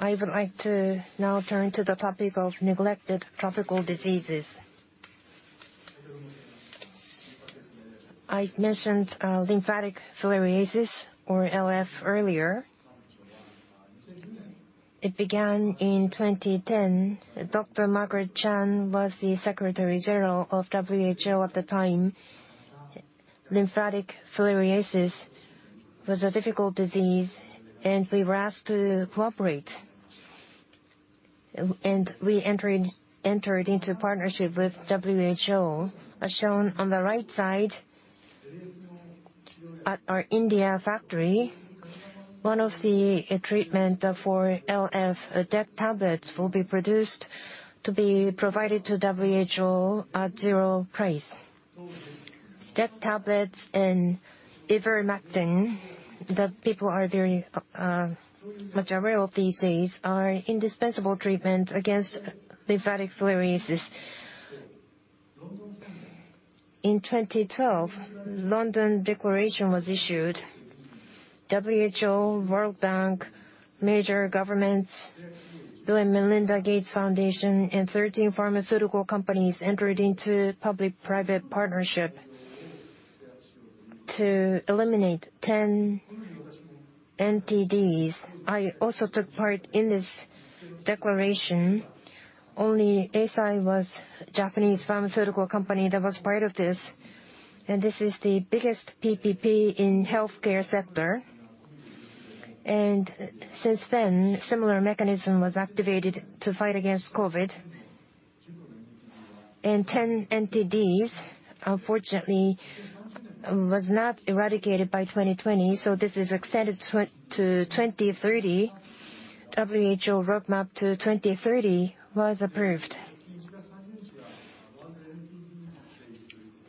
I would like to now turn to the topic of neglected tropical diseases. I mentioned lymphatic filariasis, or LF, earlier. It began in 2010. Dr. Margaret Chan was the Secretary General of WHO at the time. Lymphatic filariasis was a difficult disease. We were asked to cooperate. We entered into partnership with WHO, as shown on the right side at our India factory. One of the treatment for LF, DEC tablets, will be produced to be provided to WHO at zero price. DEC tablets and ivermectin, that people are very much aware of these days, are indispensable treatment against lymphatic filariasis. In 2012, London Declaration was issued. WHO, World Bank, major governments, Bill & Melinda Gates Foundation, 13 pharmaceutical companies entered into public-private partnership to eliminate 10 NTDs. I also took part in this declaration. Only Eisai was Japanese pharmaceutical company that was part of this is the biggest PPP in healthcare sector. Since then, similar mechanism was activated to fight against COVID, 10 NTDs, unfortunately, was not eradicated by 2020, this is extended to 2030. WHO Roadmap to 2030 was approved.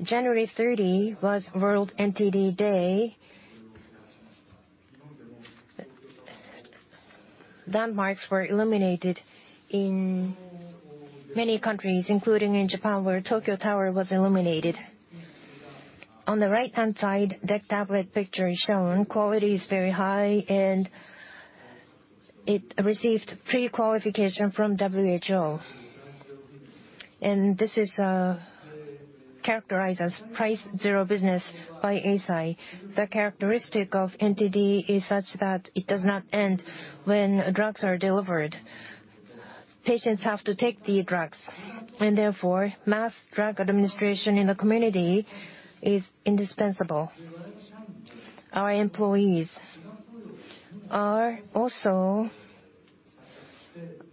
January 30 was World NTD Day. Landmarks were illuminated in many countries, including in Japan, where Tokyo Tower was illuminated. On the right-hand side, DEC tablets picture is shown. Quality is very high, it received pre-qualification from WHO. This is characterized as price zero business by Eisai. The characteristic of NTD is such that it does not end when drugs are delivered. Patients have to take the drugs, therefore, mass drug administration in the community is indispensable. Our employees are also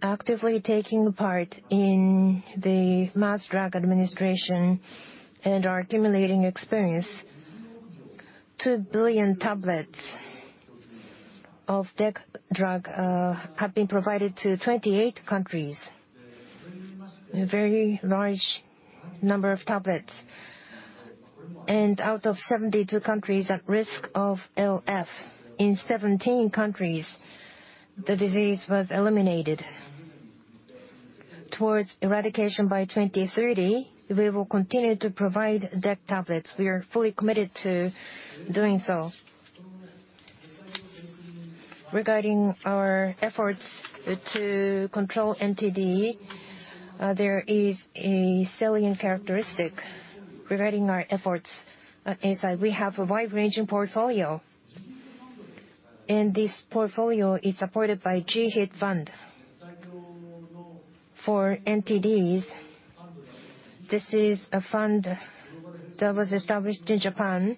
actively taking part in the mass drug administration and are accumulating experience. 2 billion tablets of DEC tablets have been provided to 28 countries. A very large number of tablets. Out of 72 countries at risk of LF, in 17 countries, the disease was eliminated. Towards eradication by 2030, we will continue to provide DEC tablets. We are fully committed to doing so. Regarding our efforts to control NTD, there is a salient characteristic. Regarding our efforts at Eisai, we have a wide-ranging portfolio, and this portfolio is supported by GHIT Fund. For NTDs, this is a fund that was established in Japan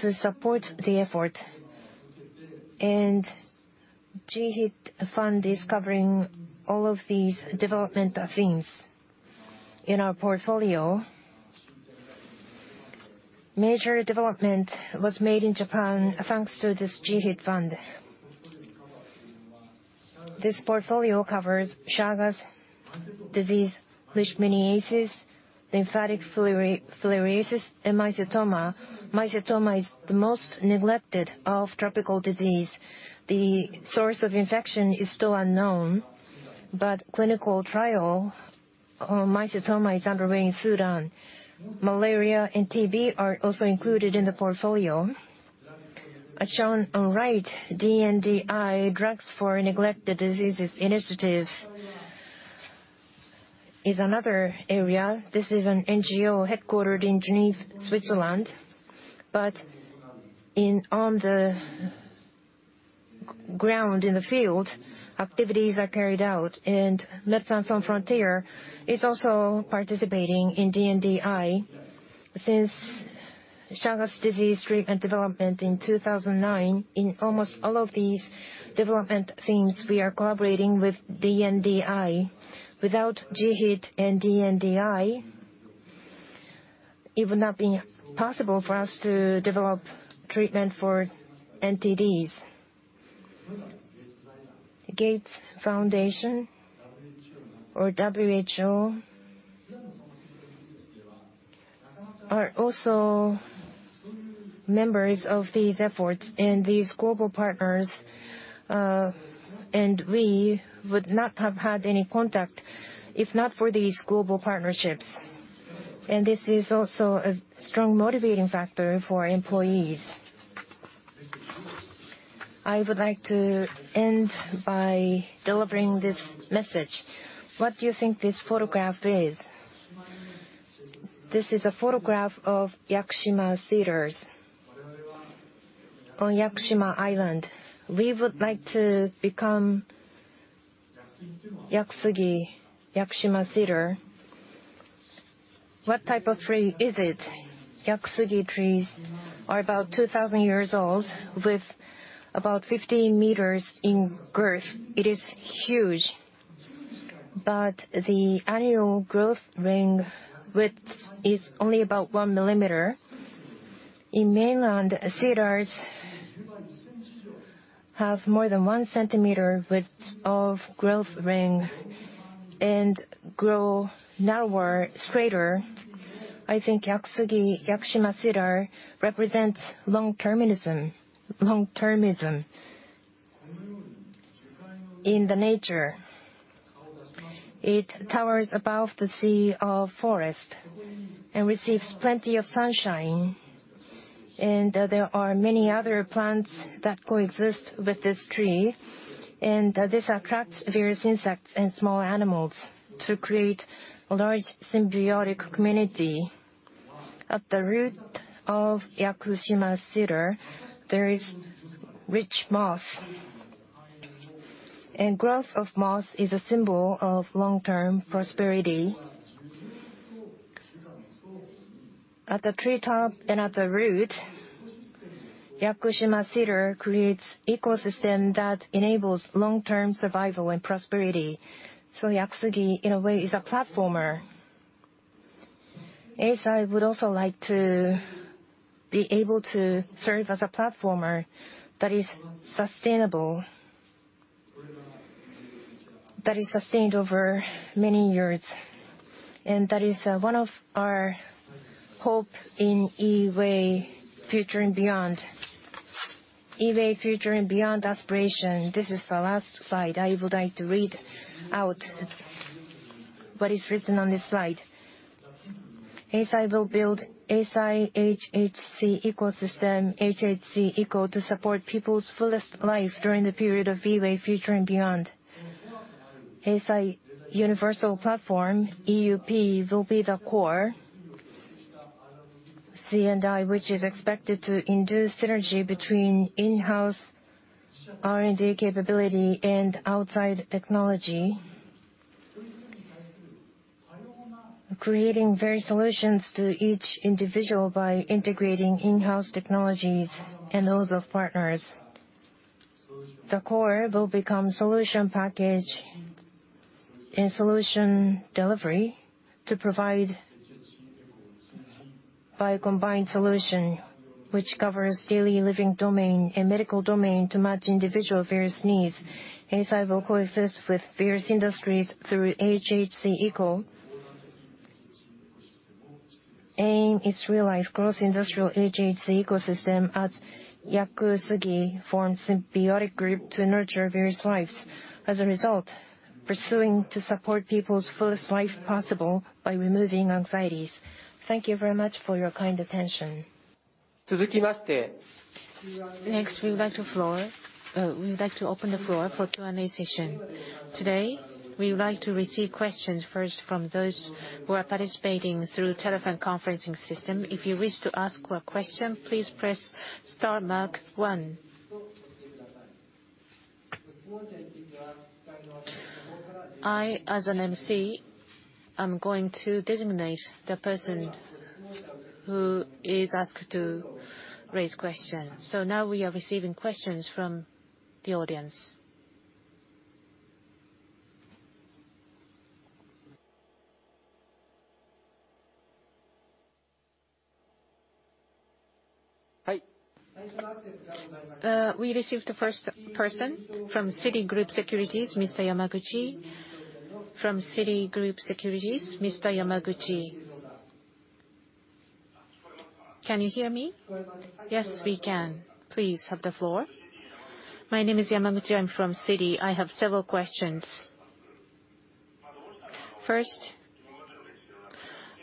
to support the effort, and GHIT Fund is covering all of these development themes. In our portfolio, major development was made in Japan, thanks to this GHIT Fund. This portfolio covers Chagas disease, leishmaniasis, lymphatic filariasis, and mycetoma. Mycetoma is the most neglected of tropical disease. The source of infection is still unknown, but clinical trial on mycetoma is underway in Sudan. Malaria and TB are also included in the portfolio. As shown on right, DNDi, Drugs for Neglected Diseases initiative, is another area. This is an NGO headquartered in Geneva, Switzerland. On the ground, in the field, activities are carried out, and Médecins Sans Frontières is also participating in DNDi. Since Chagas disease treatment development in 2009, in almost all of these development themes, we are collaborating with DNDi. Without GHIT and DNDi, it would not be possible for us to develop treatment for NTDs. The Gates Foundation or WHO are also members of these efforts and these global partners, and we would not have had any contact if not for these global partnerships. This is also a strong motivating factor for employees. I would like to end by delivering this message. What do you think this photograph is? This is a photograph of Yakushima cedars on Yakushima island. We would like to become yakusugi, Yakushima cedar. What type of tree is it? Yakusugi trees are about 2,000 years old with about 15 m in girth. It is huge, the annual growth ring width is only about one millimeter. In mainland, cedars have more than one centimeter width of growth ring and grow narrower, straighter. I think yakusugi, Yakushima cedar, represents long-termism in the nature. It towers above the sea of forest and receives plenty of sunshine, and there are many other plants that coexist with this tree, and this attracts various insects and small animals to create a large symbiotic community. At the root of Yakushima cedar, there is rich moss. Growth of moss is a symbol of long-term prosperity. At the treetop and at the root, Yakushima cedar creates ecosystem that enables long-term survival and prosperity. Yakusugi, in a way, is a platformer. Eisai would also like to be able to serve as a platformer that is sustained over many years, and that is one of our hope in EWAY Future & Beyond. EWAY Future & Beyond aspiration. This is the last slide. I would like to read out what is written on this slide. Eisai will build Eisai hhc ecosystem, hhc eco, to support people's fullest life during the period of EWAY Future & Beyond. Eisai Universal Platform, EUP, will be the core C&I, which is expected to induce synergy between in-house R&D capability and outside technology, creating varied solutions to each individual by integrating in-house technologies and those of partners. The core will become solution package and solution delivery to provide a combined solution, which covers daily living domain and medical domain to match individual various needs. Eisai will coexist with various industries through hhc eco. Aim is to realize cross-industrial hhc ecosystem as yakusugi form symbiotic group to nurture various lives. As a result, pursuing to support people's fullest life possible by removing anxieties. Thank you very much for your kind attention. Next, we'd like to open the floor for Q&A session. Today, we would like to receive questions first from those who are participating through telephone conferencing system. If you wish to ask a question, please press star mark one. I, as an emcee, am going to designate the person who is asked to raise question. Now we are receiving questions from the audience. We received the first person from Citigroup Securities, Mr. Yamaguchi. From Citigroup Securities, Mr. Yamaguchi. Can you hear me? Yes, we can. Please have the floor. My name is Yamaguchi. I'm from Citi. I have several questions. First,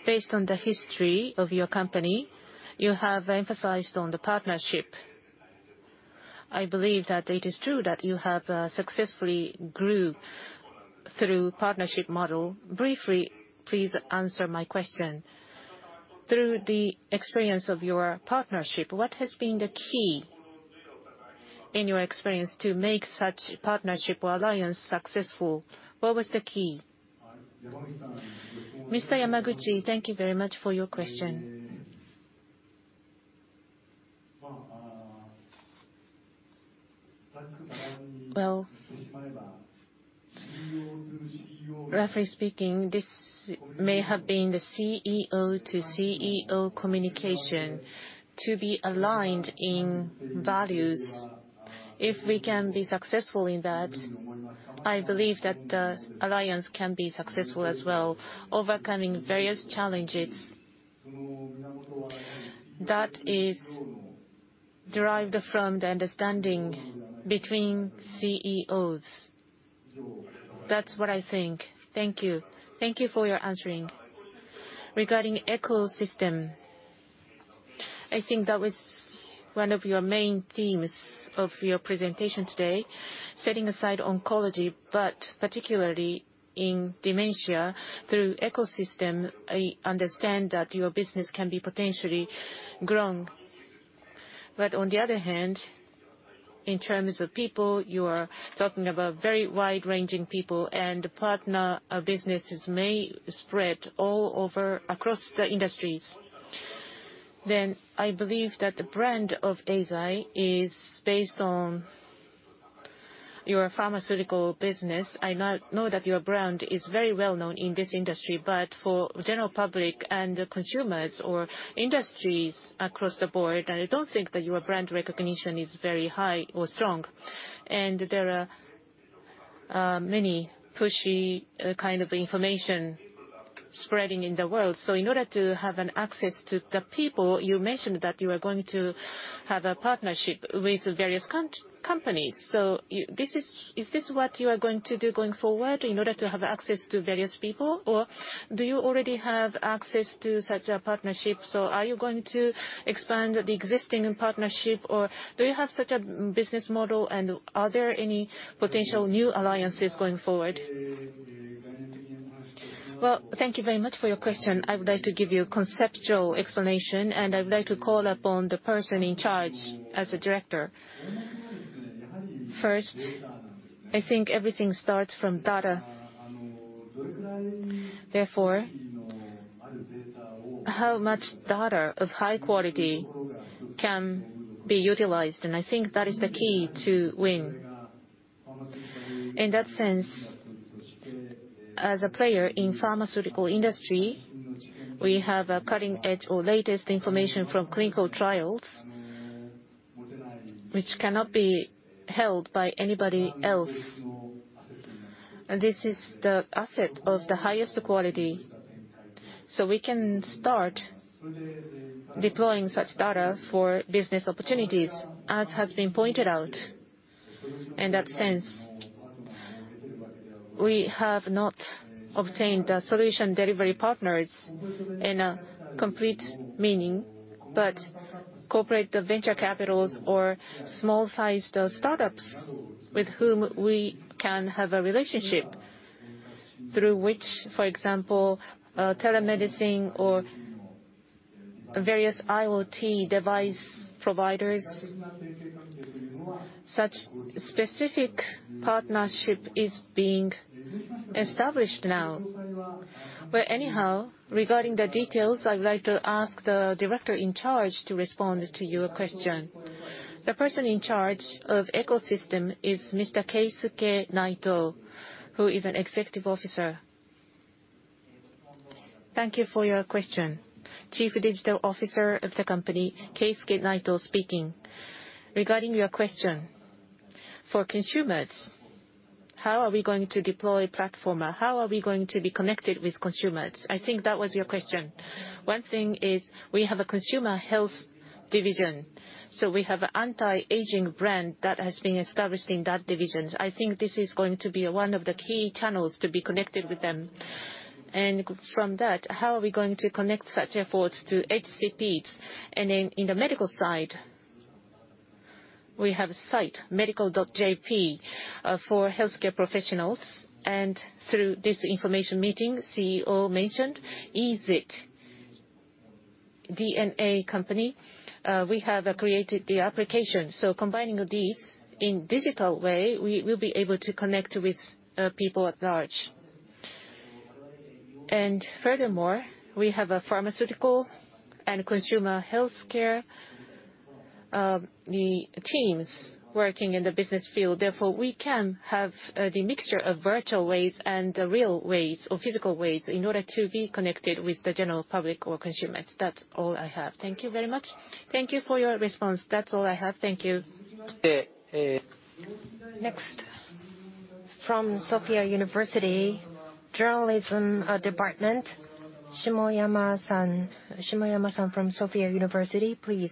based on the history of your company, you have emphasized on the partnership. I believe that it is true that you have successfully grew through partnership model. Briefly, please answer my question. Through the experience of your partnership, what has been the key in your experience to make such partnership or alliance successful? What was the key? Mr. Yamaguchi, thank you very much for your question. Well, roughly speaking, this may have been the CEO to CEO communication to be aligned in values. If we can be successful in that, I believe that the alliance can be successful as well, overcoming various challenges. That is derived from the understanding between CEOs. That's what I think. Thank you. Thank you for your answering. Regarding ecosystem, I think that was one of your main themes of your presentation today. Setting aside oncology, particularly in dementia, through ecosystem, I understand that your business can be potentially grown. On the other hand, in terms of people, you are talking about very wide-ranging people, and partner businesses may spread all over across the industries. I believe that the brand of Eisai is based on your pharmaceutical business. I know that your brand is very well-known in this industry. For the general public and consumers or industries across the board, I don't think that your brand recognition is very high or strong. There are many pushy kind of information spreading in the world. In order to have an access to the people, you mentioned that you are going to have a partnership with various companies. Is this what you are going to do going forward in order to have access to various people, or do you already have access to such a partnership? Are you going to expand the existing partnership, or do you have such a business model, and are there any potential new alliances going forward? Well, thank you very much for your question. I would like to give you a conceptual explanation, and I would like to call upon the person in charge as a director. First, I think everything starts from data. Therefore, how much data of high quality can be utilized? I think that is the key to win. In that sense, as a player in pharmaceutical industry, we have a cutting edge or latest information from clinical trials, which cannot be held by anybody else. This is the asset of the highest quality. We can start deploying such data for business opportunities, as has been pointed out. In that sense, we have not obtained the solution delivery partners in a complete meaning, but corporate venture capitals or small-sized startups with whom we can have a relationship. Through which, for example, telemedicine or various IoT device providers. Such specific partnership is being established now. Anyhow, regarding the details, I would like to ask the director in charge to respond to your question. The person in charge of ecosystem is Mr. Keisuke Naito, who is an executive officer. Thank you for your question. Chief Digital Officer of the company, Keisuke Naito speaking. Regarding your question, for consumers, how are we going to deploy platform? How are we going to be connected with consumers? I think that was your question. One thing is we have a consumer health division. We have an anti-aging brand that has been established in that division. I think this is going to be one of the key channels to be connected with them. From that, how are we going to connect such efforts to HCPs? In the medical side, we have a site, medical.jp, for healthcare professionals, and through this information meeting CEO mentioned, Easiit DNA Company. We have created the application. Combining these in digital way, we will be able to connect with people at large. Furthermore, we have pharmaceutical and consumer healthcare teams working in the business field. Therefore, we can have the mixture of virtual ways and the real ways or physical ways in order to be connected with the general public or consumers. That's all I have. Thank you very much. Thank you for your response. That's all I have. Thank you. Next. From Sophia University Journalism Department, Shimoyama-san. Shimoyama-san from Sophia University, please.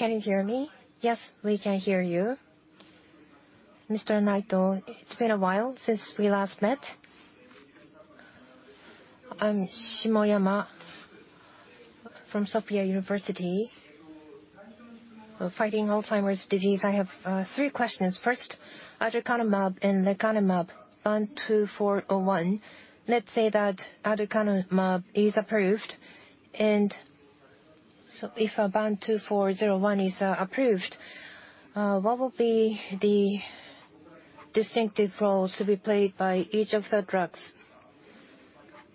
Can you hear me? Yes, we can hear you. Mr. Naito, it's been a while since we last met. I'm Shimoyama from Sophia University. Fighting Alzheimer's disease, I have three questions. First, aducanumab and lecanemab BAN2401. Let's say that aducanumab is approved, if BAN2401 is approved, what will be the distinctive roles to be played by each of the drugs?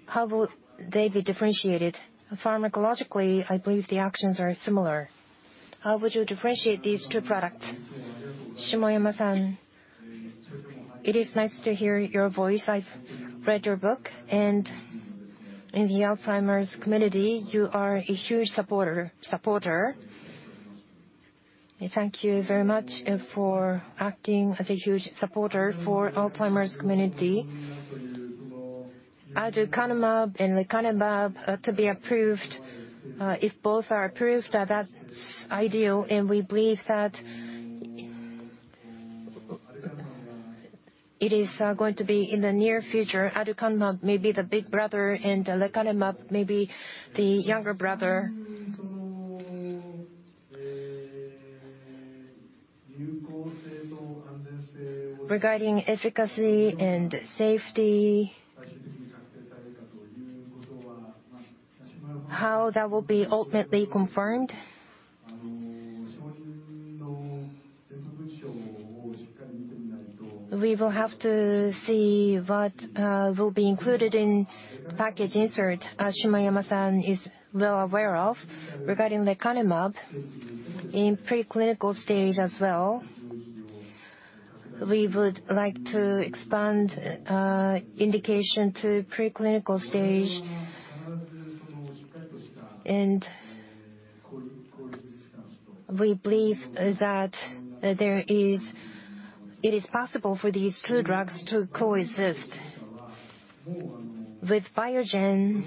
How will they be differentiated pharmacologically? I believe the actions are similar. How would you differentiate these two products? Shimoyama-san. It is nice to hear your voice. I've read your book, and in the Alzheimer's community, you are a huge supporter. Thank you very much for acting as a huge supporter for Alzheimer's community. aducanumab and lecanemab are to be approved. If both are approved, that's ideal, and we believe that it is going to be in the near future. aducanumab may be the big brother and lecanemab may be the younger brother. Regarding efficacy and safety, how that will be ultimately confirmed, we will have to see what will be included in package insert, as Shimoyama-san is well aware of. Regarding lecanemab, in preclinical stage as well, we would like to expand indication to preclinical stage. We believe that it is possible for these two drugs to coexist. With Biogen,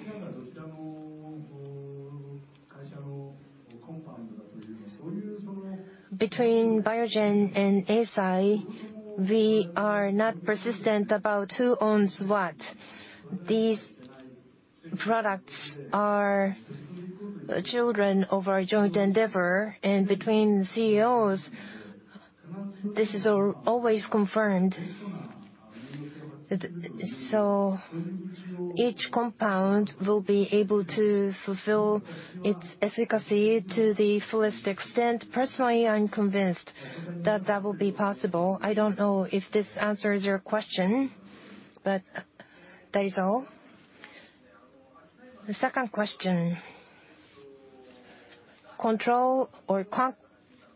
between Biogen and Eisai, we are not persistent about who owns what. These products are children of our joint endeavor, and between CEOs, this is always confirmed. Each compound will be able to fulfill its efficacy to the fullest extent. Personally, I'm convinced that that will be possible. I don't know if this answers your question, but that is all. The second question, control or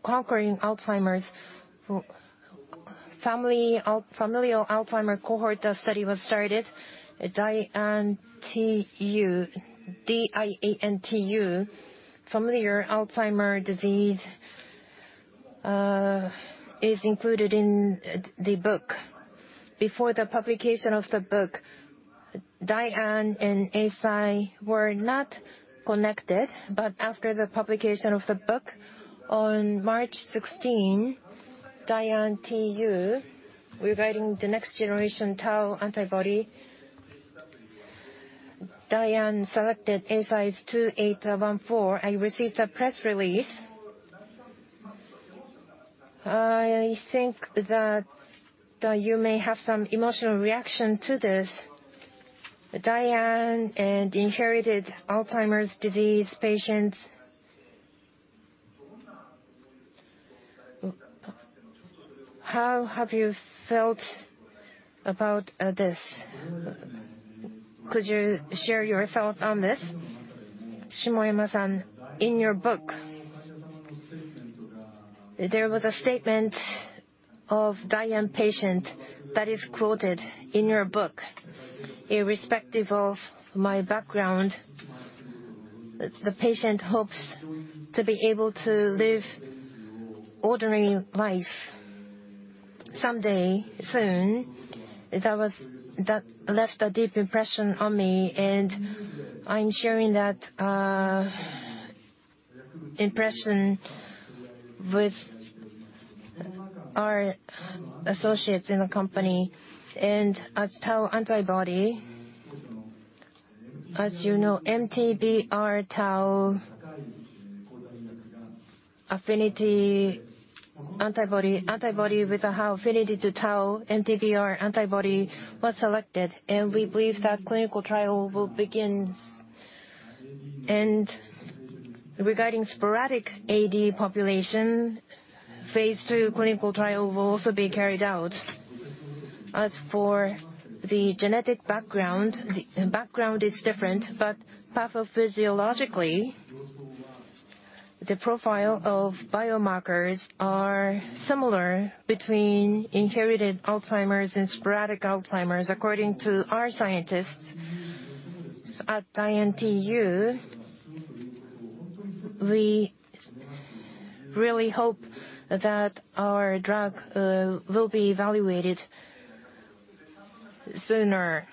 Conquering Alzheimer's. Familial Alzheimer cohort study was started at DIAN-TU. Familial Alzheimer disease is included in the book. Before the publication of the book, DIAN and Eisai were not connected, after the publication of the book on March 16, DIAN-TU, regarding the next generation tau antibody, DIAN selected Eisai's E2814. I received a press release. I think that you may have some emotional reaction to this. DIAN and inherited Alzheimer's disease patients. How have you felt about this? Could you share your thoughts on this? Shimoyama-san, in your book, there was a statement of DIAN patient that is quoted in your book. Irrespective of my background, the patient hopes to be able to live ordinary life someday soon. That left a deep impression on me, and I'm sharing that impression with our associates in the company. As tau antibody, as you know, MTBR tau affinity antibody with a high affinity to tau, MTBR antibody was selected, and we believe that clinical trial will begin. Regarding sporadic AD population, phase II clinical trial will also be carried out. As for the genetic background, the background is different, but pathophysiologically, the profile of biomarkers are similar between inherited Alzheimer's and sporadic Alzheimer's, according to our scientists at DIAN-TU. We really hope that our drug will be evaluated sooner.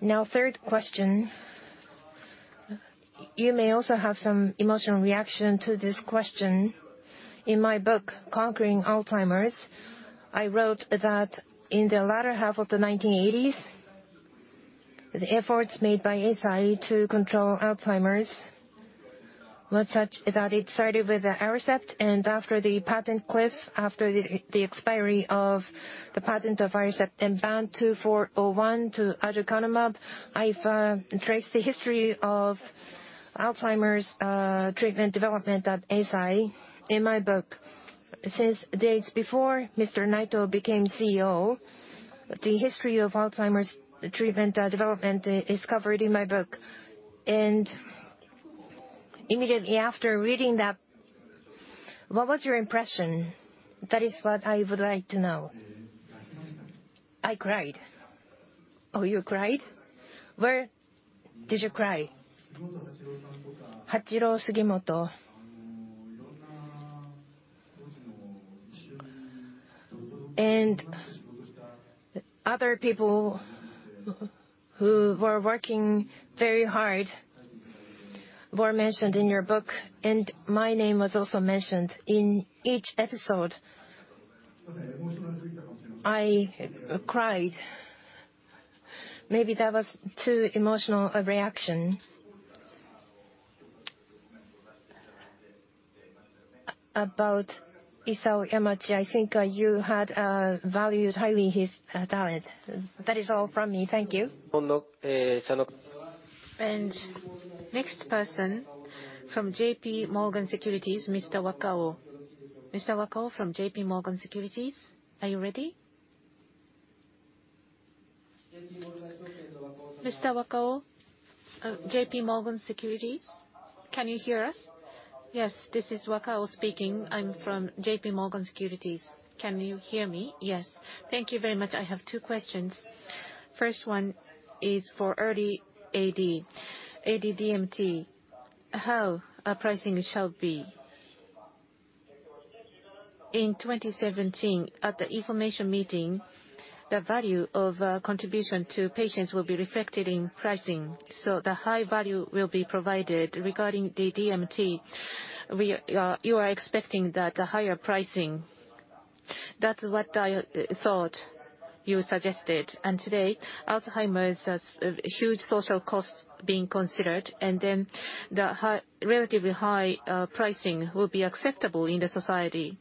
Now, third question. You may also have some emotional reaction to this question. In my book, "Conquering Alzheimer's," I wrote that in the latter half of the 1980s, the efforts made by Eisai to control Alzheimer's was such that it started with Aricept and after the patent cliff, after the expiry of the patent of Aricept and BAN2401 to aducanumab. I've traced the history of Alzheimer's treatment development at Eisai in my book. Since days before Mr. Naito became CEO, the history of Alzheimer's treatment development is covered in my book. Immediately after reading that, what was your impression? That is what I would like to know. I cried. Oh, you cried? Why did you cry? Hachiro Sugimoto and other people who were working very hard were mentioned in your book, and my name was also mentioned in each episode. I cried. Maybe that was too emotional a reaction. About Isao Yamaji, I think you had valued highly his talent. That is all from me. Thank you. Next person from JPMorgan Securities, Mr. Wakao. Mr. Wakao from JPMorgan Securities, are you ready? Mr. Wakao of JPMorgan Securities, can you hear us? Yes, this is Wakao speaking. I'm from JPMorgan Securities. Can you hear me? Yes. Thank you very much. I have two questions. First one is for early AD-DMT. How pricing shall be? In 2017 at the information meeting, the value of contribution to patients will be reflected in pricing, so the high value will be provided. Regarding AD-DMT, you are expecting that higher pricing. That's what I thought you suggested. Today, Alzheimer's has huge social costs being considered, and then the relatively high pricing will be acceptable in the society.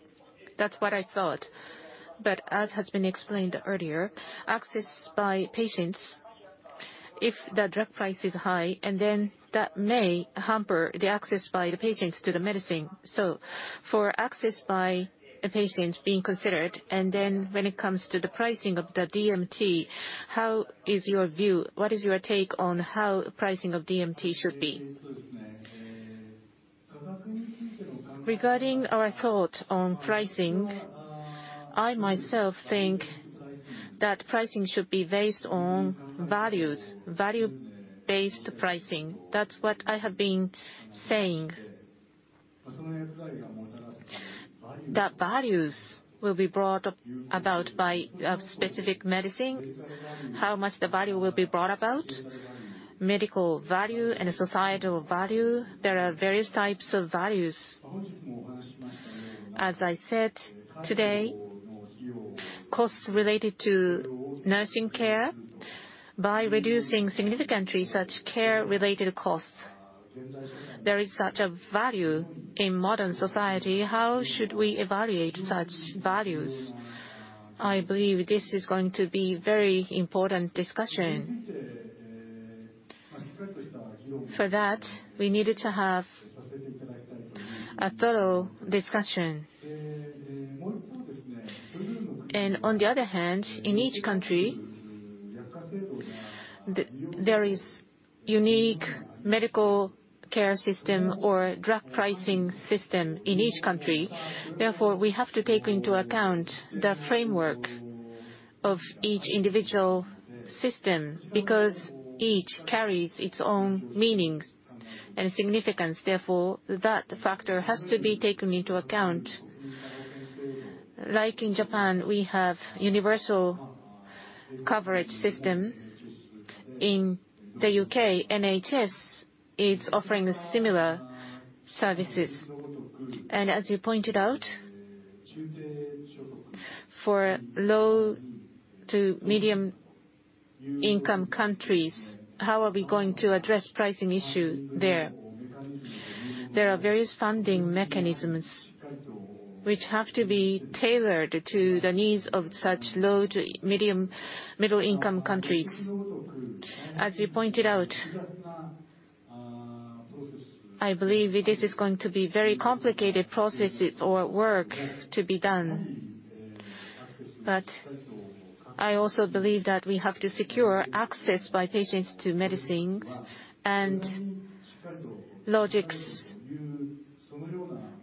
That's what I thought. As has been explained earlier, access by patients, if the drug price is high, and then that may hamper the access by the patients to the medicine. For access by the patients being considered, and then when it comes to the pricing of the DMT, how is your view? What is your take on how pricing of DMT should be? Regarding our thought on pricing, I myself think that pricing should be based on values, value-based pricing. That's what I have been saying. Values will be brought about by a specific medicine, how much the value will be brought about, medical value and societal value. There are various types of values. As I said today, costs related to nursing care, by reducing significantly such care-related costs, there is such a value in modern society. How should we evaluate such values? I believe this is going to be very important discussion. For that, we needed to have a thorough discussion. On the other hand, in each country, there is unique medical care system or drug pricing system in each country. Therefore, we have to take into account the framework of each individual system, because each carries its own meaning and significance. Therefore, that factor has to be taken into account. Like in Japan, we have universal coverage system. In the U.K., NHS is offering similar services. As you pointed out, for low to medium-income countries, how are we going to address pricing issue there? There are various funding mechanisms which have to be tailored to the needs of such low to middle-income countries. I also believe that we have to secure access by patients to medicines, and logics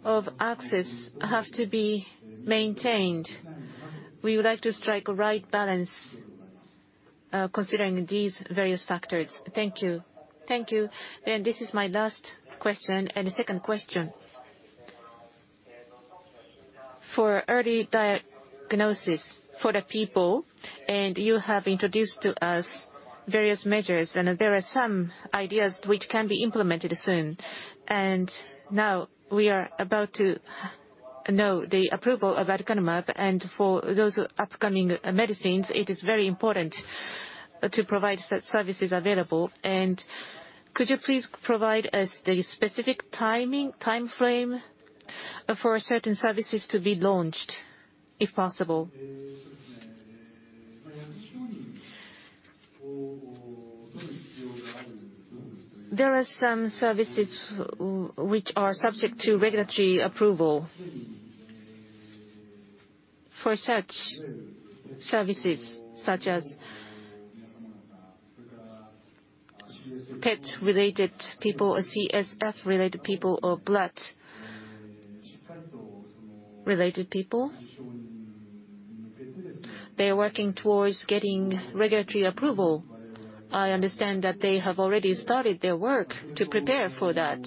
of access have to be maintained. We would like to strike a right balance, considering these various factors. Thank you. Thank you. This is my last question, and the second question. For early diagnosis for the people, you have introduced to us various measures, and there are some ideas which can be implemented soon. Now we are about to know the approval of aducanumab, and for those upcoming medicines, it is very important to provide such services available. Could you please provide us the specific timeframe for certain services to be launched, if possible? There are some services which are subject to regulatory approval. For such services, such as PET related people or CSF related people or blood related people, they are working towards getting regulatory approval. I understand that they have already started their work to prepare for that.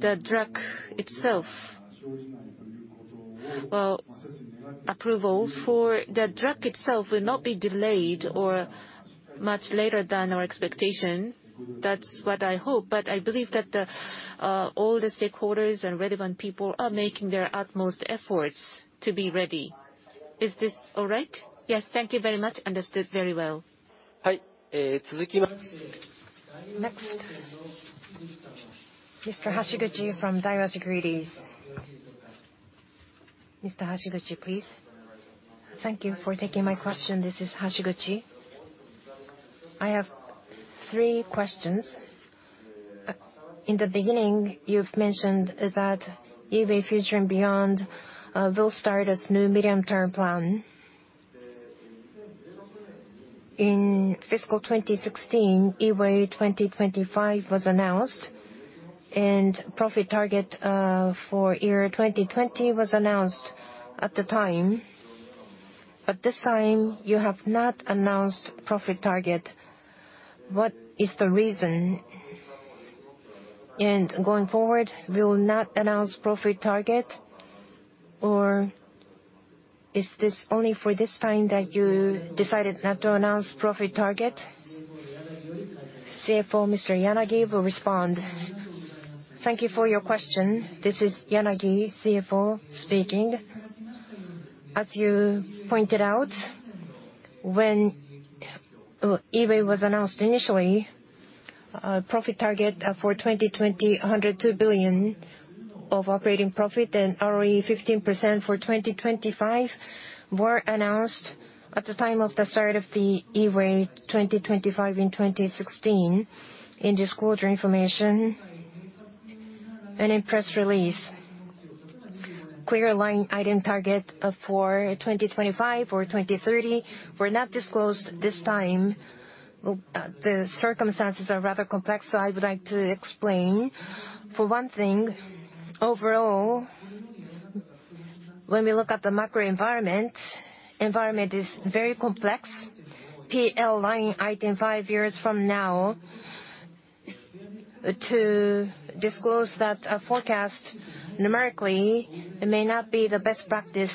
The drug itself, approval for the drug itself will not be delayed or much later than our expectation. That's what I hope. I believe that all the stakeholders and relevant people are making their utmost efforts to be ready. Is this all right? Yes. Thank you very much. Understood very well. Next. Mr. Hashiguchi from Daiwa Securities. Mr. Hashiguchi, please. Thank you for taking my question. This is Hashiguchi. I have three questions. In the beginning, you've mentioned that EWAY Future & Beyond will start as new medium-term plan. In fiscal 2016, EWAY 2025 was announced, and profit target for year 2020 was announced at the time. At this time, you have not announced profit target. What is the reason? Going forward, will not announce profit target, or is this only for this time that you decided not to announce profit target? CFO, Mr. Yanagi will respond. Thank you for your question. This is Yanagi, CFO speaking. As you pointed out, when Eisai was announced initially, profit target for 2020, 102 billion of operating profit and ROE 15% for 2025 were announced at the time of the start of the EWAY 2025 in 2016 in disclosure information and in press release. Clear line item target for 2025 or 2030 were not disclosed this time. The circumstances are rather complex, so I would like to explain. For one thing, overall, when we look at the macro environment is very complex. PL line item five years from now, to disclose that forecast numerically, it may not be the best practice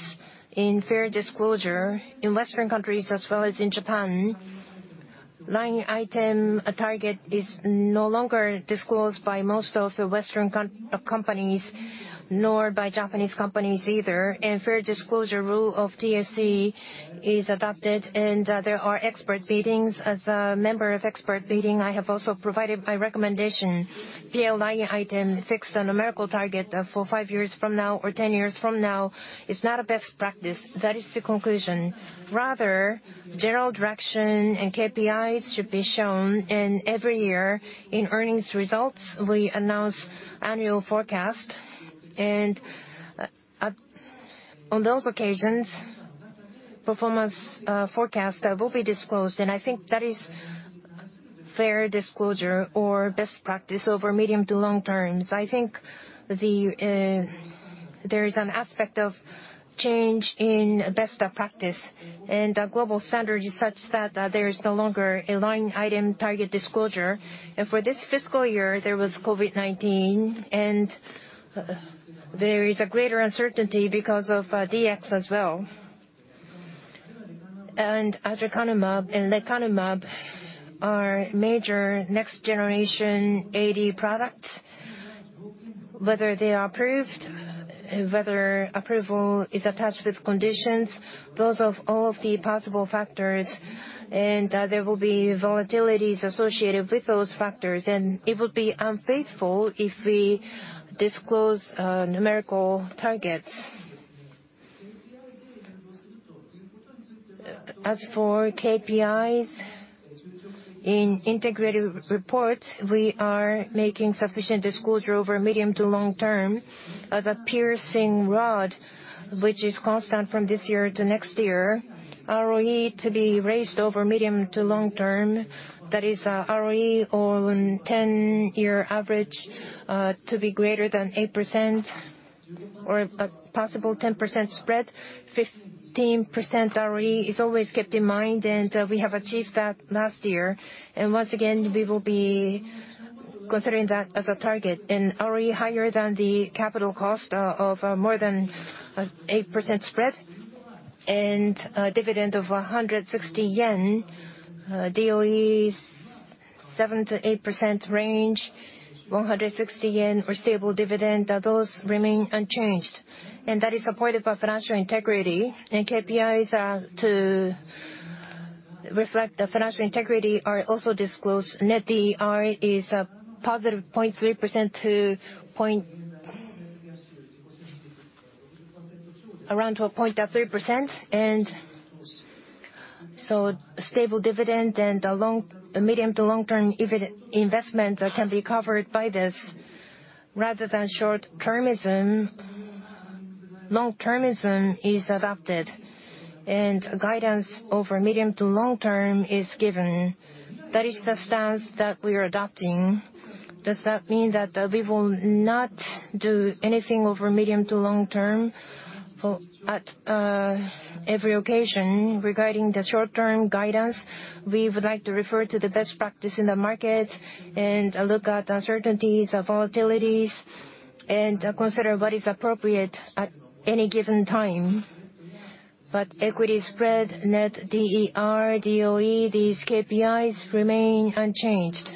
in fair disclosure in Western countries as well as in Japan. Line item target is no longer disclosed by most of the Western companies, nor by Japanese companies either. Fair disclosure rule of TSE is adopted and there are expert meetings. As a member of expert meeting, I have also provided my recommendation. PL line item fixed numerical target for five years from now or 10 years from now is not a best practice. That is the conclusion. Rather, general direction and KPIs should be shown in every year in earnings results. We announce annual forecast and on those occasions, performance forecast will be disclosed. I think that is fair disclosure or best practice over medium to long terms. I think there is an aspect of change in best practice, and global standard is such that there is no longer a line item target disclosure. For this fiscal year, there was COVID-19, and there is a greater uncertainty because of DX as well. aducanumab and lecanemab are major next generation AD products. Whether they are approved, whether approval is attached with conditions, those are all of the possible factors. There will be volatilities associated with those factors, and it would be unfaithful if we disclose numerical targets. As for KPIs in integrated reports, we are making sufficient disclosure over medium to long term as a piercing rod, which is constant from this year to next year. ROE to be raised over medium to long term. That is ROE on 10-year average to be greater than 8% or a possible 10% spread. 15% ROE is always kept in mind, and we have achieved that last year. Once again, we will be considering that as a target. ROE higher than the capital cost of more than 8% spread and a dividend of 160 yen, DOE 7%-8% range, 160 yen for stable dividend, those remain unchanged, and that is supported by financial integrity. KPIs to reflect the financial integrity are also disclosed. Net DER is a +0.3% to around 12.3%. Stable dividend and the medium to long-term investment can be covered by this. Rather than short-termism, long-termism is adopted, and guidance over medium to long term is given. That is the stance that we are adopting. Does that mean that we will not do anything over medium to long term? At every occasion, regarding the short-term guidance, we would like to refer to the best practice in the market and look at uncertainties or volatilities, and consider what is appropriate at any given time. Equity spread, net DER, DOE, these KPIs remain unchanged.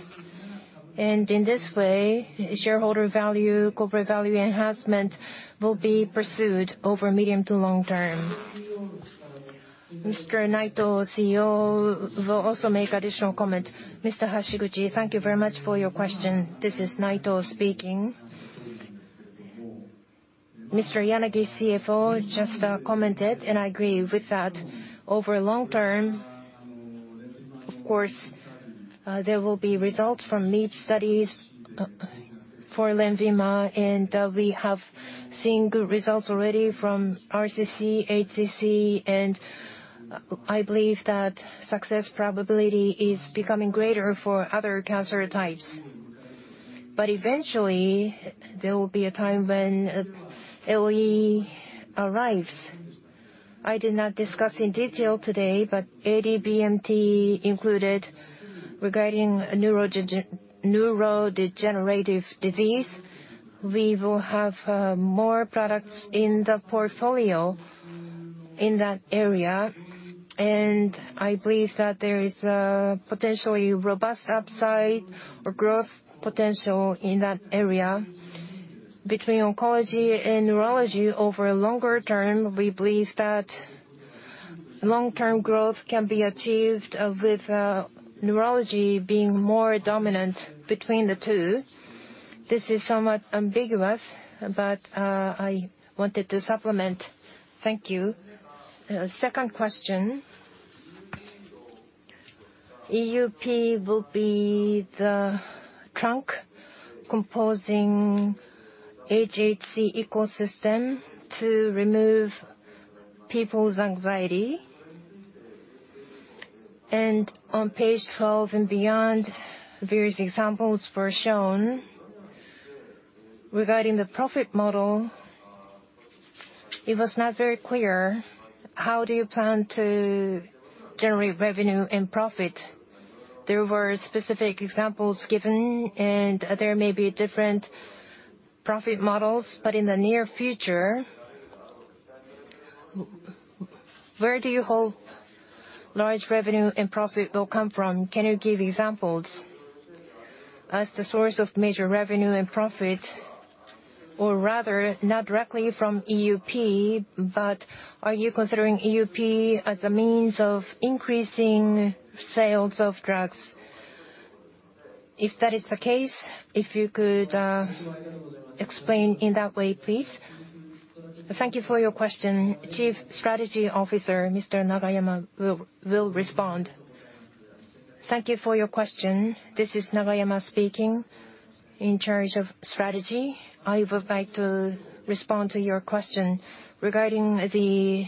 In this way, shareholder value, corporate value enhancement will be pursued over medium to long term. Mr. Naito, CEO, will also make additional comment. Mr. Hashiguchi, thank you very much for your question. This is Naito speaking. Mr. Yanagi, CFO, just commented, and I agree with that. Over long term, of course, there will be results from MEPE studies for LENVIMA, and we have seen good results already from RCC, HCC, and I believe that success probability is becoming greater for other cancer types. Eventually, there will be a time when LOE arrives. I did not discuss in detail today, but AD-DMT included, regarding neurodegenerative disease, we will have more products in the portfolio in that area, and I believe that there is a potentially robust upside or growth potential in that area. Between oncology and neurology over a longer term, we believe that long-term growth can be achieved with neurology being more dominant between the two. This is somewhat ambiguous, but I wanted to supplement. Thank you. Second question. EUP will be the trunk composing hhc ecosystem to remove people's anxiety. On page 12 and beyond, various examples were shown. Regarding the profit model, it was not very clear. How do you plan to generate revenue and profit? There were specific examples given, and there may be different profit models, but in the near future, where do you hope large revenue and profit will come from? Can you give examples as the source of major revenue and profit? Not directly from EUP, but are you considering EUP as a means of increasing sales of drugs? If that is the case, if you could explain in that way, please. Thank you for your question. Chief Strategy Officer, Mr. Nagayama will respond. Thank you for your question. This is Nagayama speaking. In charge of strategy. I would like to respond to your question. Regarding the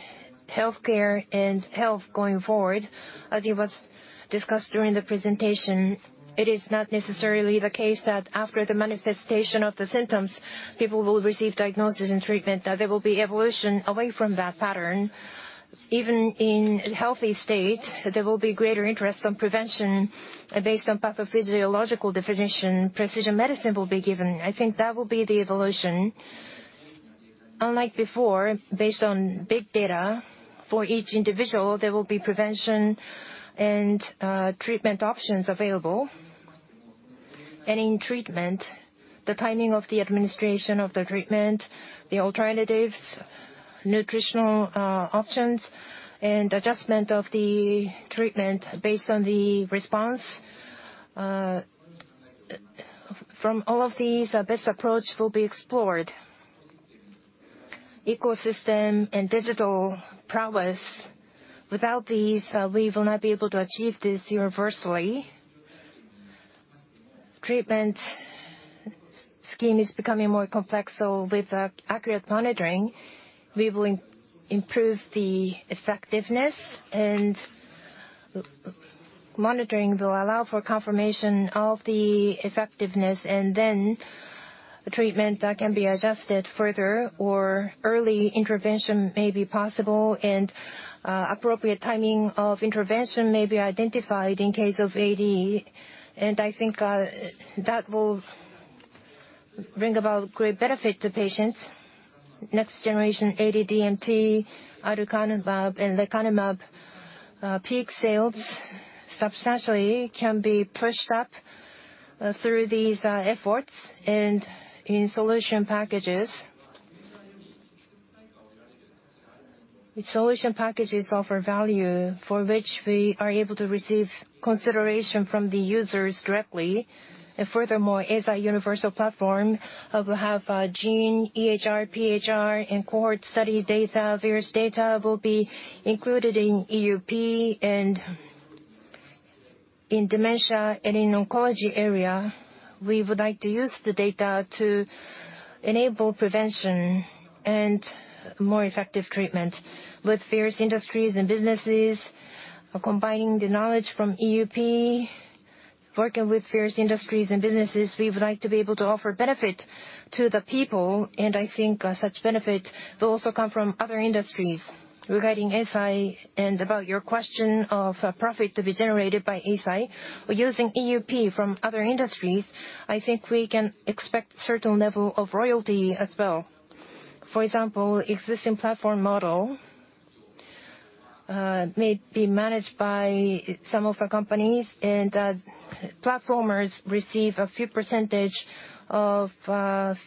healthcare and health going forward, as it was discussed during the presentation, it is not necessarily the case that after the manifestation of the symptoms, people will receive diagnosis and treatment, that there will be evolution away from that pattern. Even in healthy state, there will be greater interest on prevention based on pathophysiological definition, precision medicine will be given. I think that will be the evolution. Unlike before, based on big data, for each individual, there will be prevention and treatment options available. In treatment, the timing of the administration of the treatment, the alternatives, nutritional options, and adjustment of the treatment based on the response. From all of these, the best approach will be explored. Ecosystem and digital prowess. Without these, we will not be able to achieve this universally. Treatment scheme is becoming more complex, so with accurate monitoring, we will improve the effectiveness, and monitoring will allow for confirmation of the effectiveness, and then treatment can be adjusted further or early intervention may be possible, and appropriate timing of intervention may be identified in case of AD. I think that will bring about great benefit to patients. Next generation AD-DMT, Aducanumab and Lecanemab peak sales substantially can be pushed up through these efforts. In solution packages. Solution packages offer value for which we are able to receive consideration from the users directly. Furthermore, as a universal platform, we have gene, EHR, PHR, and cohort study data. Various data will be included in EUP. In dementia and in oncology area, we would like to use the data to enable prevention and more effective treatment with various industries and businesses. Combining the knowledge from EUP, working with various industries and businesses, we would like to be able to offer benefit to the people, and I think such benefit will also come from other industries. Regarding Eisai and about your question of profit to be generated by Eisai, using EUP from other industries, I think we can expect certain level of royalty as well. For example, existing platform model may be managed by some of our companies, and platformers receive a few percentage of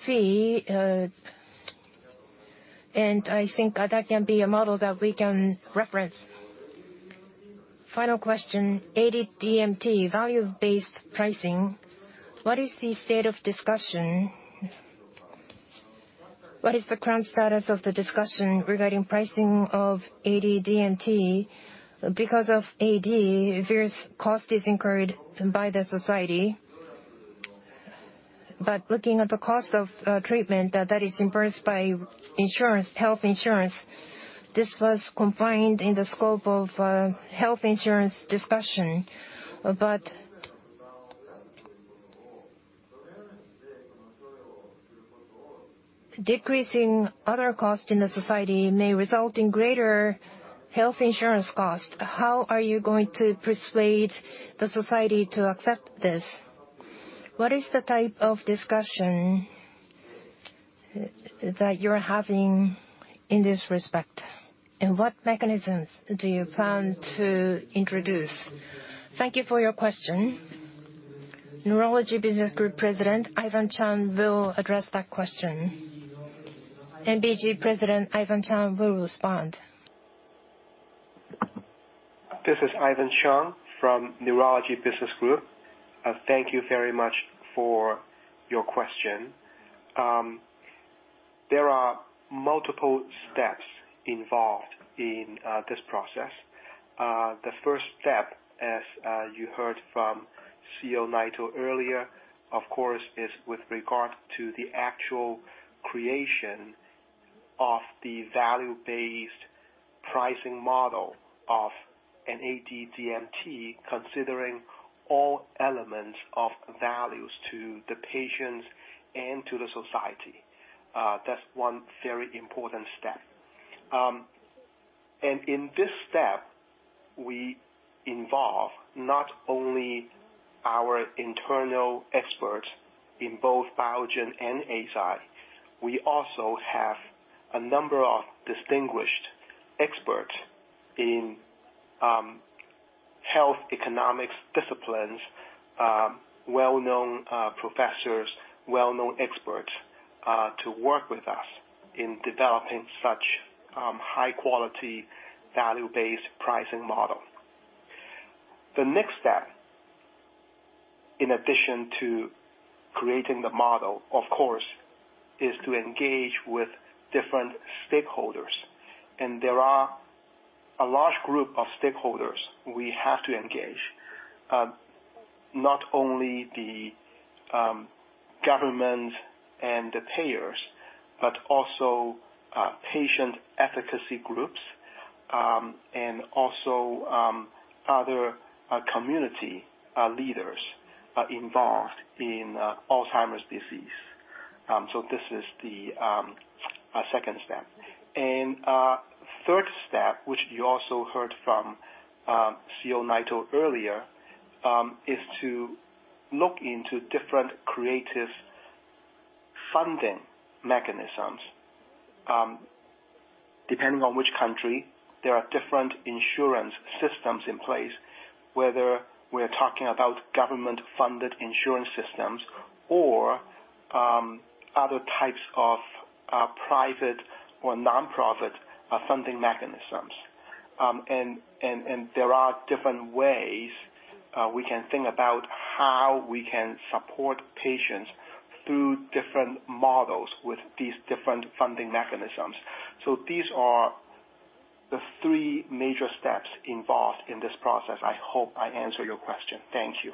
fee. I think that can be a model that we can reference. Final question. AD-DMT, value-based pricing. What is the current status of the discussion regarding pricing of AD-DMT? Because of AD, various cost is incurred by the society. Looking at the cost of treatment that is reimbursed by health insurance, this was confined in the scope of health insurance discussion. Decreasing other costs in the society may result in greater health insurance cost. How are you going to persuade the society to accept this? What is the type of discussion that you're having in this respect, and what mechanisms do you plan to introduce? Thank you for your question. Neurology Business Group President Ivan Cheung will address that question. NBG President Ivan Cheung will respond. This is Ivan Cheung from Neurology Business Group. Thank you very much for your question. There are multiple steps involved in this process. The first step, as you heard from CEO Naito earlier, of course, is with regard to the actual creation of the value-based pricing model of an AD-DMT, considering all elements of values to the patients and to the society. That's one very important step. In this step, we involve not only our internal experts in both Biogen and Eisai, we also have a number of distinguished experts in health economics disciplines, well-known professors, well-known experts to work with us in developing such high-quality, value-based pricing model. The next step, in addition to creating the model, of course, is to engage with different stakeholders. There are a large group of stakeholders we have to engage. Not only the government and the payers, but also patient efficacy groups, and also other community leaders involved in Alzheimer's disease. This is the second step. Third step, which you also heard from CEO Naito earlier, is to look into different creative funding mechanisms. Depending on which country, there are different insurance systems in place, whether we're talking about government-funded insurance systems or other types of private or nonprofit funding mechanisms. There are different ways we can think about how we can support patients through different models with these different funding mechanisms. These are the three major steps involved in this process. I hope I answered your question. Thank you.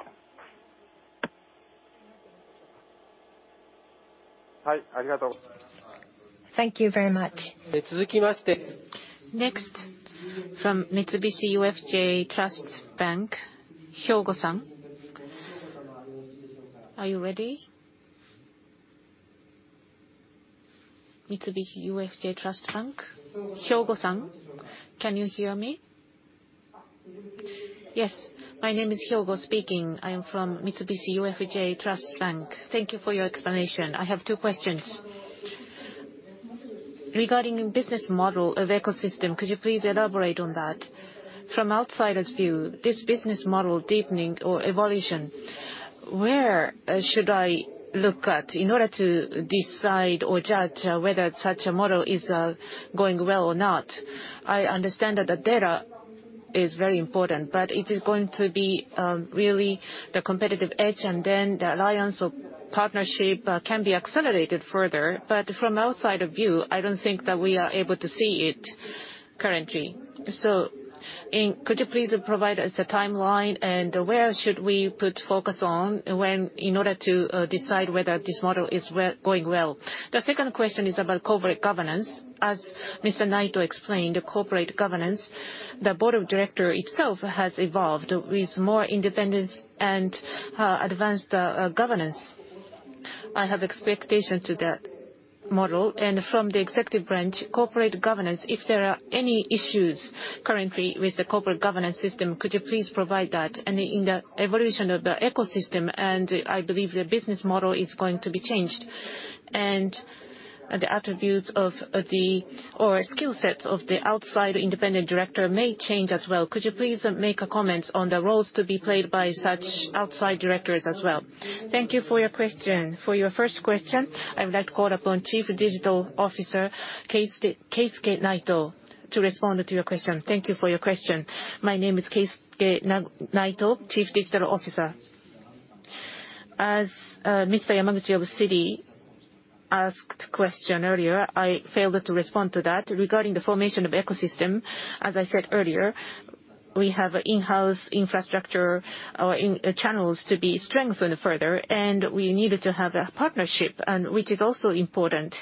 Thank you very much. From Mitsubishi UFJ Trust Bank, Hyogo-san. Are you ready? Mitsubishi UFJ Trust Bank, Hyogo-san, can you hear me? Yes. My name is Hyogo speaking. I am from Mitsubishi UFJ Trust Bank. Thank you for your explanation. I have two questions. Regarding business model of ecosystem, could you please elaborate on that? Outsider's view, this business model deepening or evolution, where should I look at in order to decide or judge whether such a model is going well or not? I understand that the data is very important, it is going to be really the competitive edge, and then the alliance or partnership can be accelerated further. Outsider view, I don't think that we are able to see it currently. Could you please provide us a timeline, and where should we put focus on in order to decide whether this model is going well? The second question is about corporate governance. As Mr. Naito explained, the corporate governance, the board of directors itself has evolved with more independence and advanced governance. I have expectations to that model. From the executive branch corporate governance, if there are any issues currently with the corporate governance system, could you please provide that? In the evolution of the ecosystem, I believe the business model is going to be changed, and the attributes or skill sets of the outside independent directors may change as well. Could you please make a comment on the roles to be played by such outside directors as well? Thank you for your question. For your first question, I would like call upon Chief Digital Officer, Keisuke Naito, to respond to your question. Thank you for your question. My name is Keisuke Naito, Chief Digital Officer. As Mr. Yamaguchi of Citi asked question earlier, I failed to respond to that. Regarding the formation of ecosystem, as I said earlier, we have in-house infrastructure or channels to be strengthened further. We needed to have a partnership, which is also important.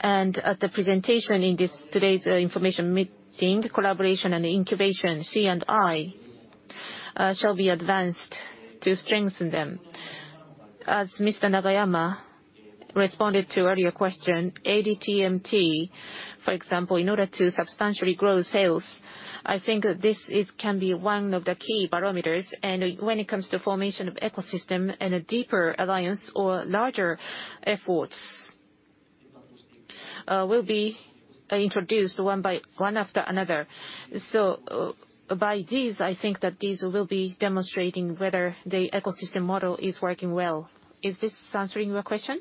At the presentation in today's information meeting, Collaboration & Incubation, C&I, shall be advanced to strengthen them. As Mr. Nagayama responded to earlier question, AD-DMT, for example, in order to substantially grow sales, I think that this can be one of the key parameters. When it comes to formation of ecosystem and a deeper alliance or larger efforts, will be introduced one after another. By these, I think that these will be demonstrating whether the ecosystem model is working well. Is this answering your question?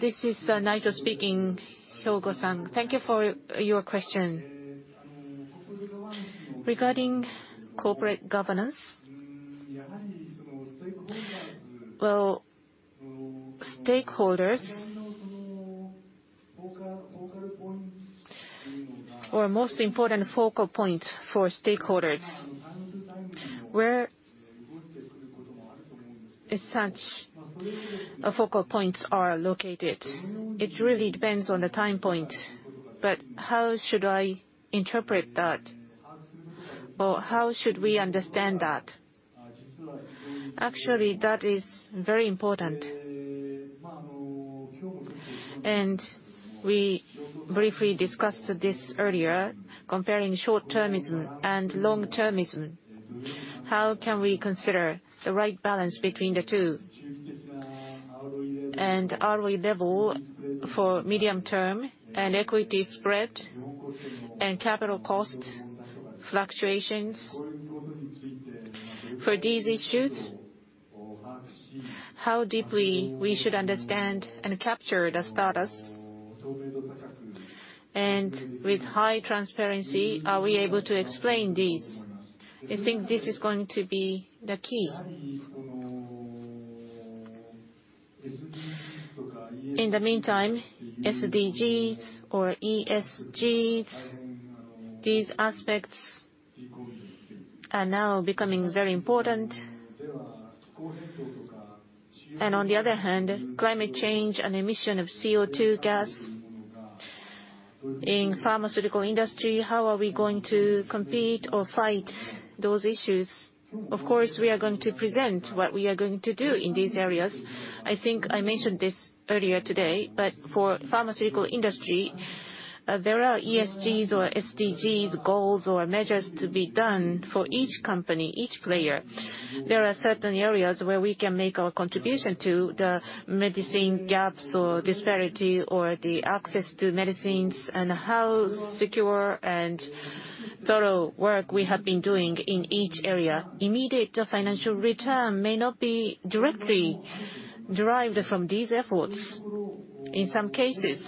This is Naito speaking. Hyogo-san, thank you for your question. Regarding corporate governance, stakeholders or most important focal point for stakeholders, where such focal points are located. It really depends on the time point, but how should I interpret that? Or how should we understand that? Actually, that is very important, and we briefly discussed this earlier, comparing short-termism and long-termism. How can we consider the right balance between the two? ROE level for medium term and equity spread and capital cost fluctuations. For these issues, how deeply we should understand and capture the status. With high transparency, are we able to explain these? I think this is going to be the key. In the meantime, SDGs or ESGs, these aspects are now becoming very important. On the other hand, climate change and emission of CO2 gas. In pharmaceutical industry, how are we going to compete or fight those issues? Of course, we are going to present what we are going to do in these areas. I think I mentioned this earlier today, for pharmaceutical industry, there are ESGs or SDGs goals or measures to be done for each company, each player. There are certain areas where we can make our contribution to the medicine gaps or disparity, or the access to medicines, and how secure and thorough work we have been doing in each area. Immediate financial return may not be directly derived from these efforts in some cases.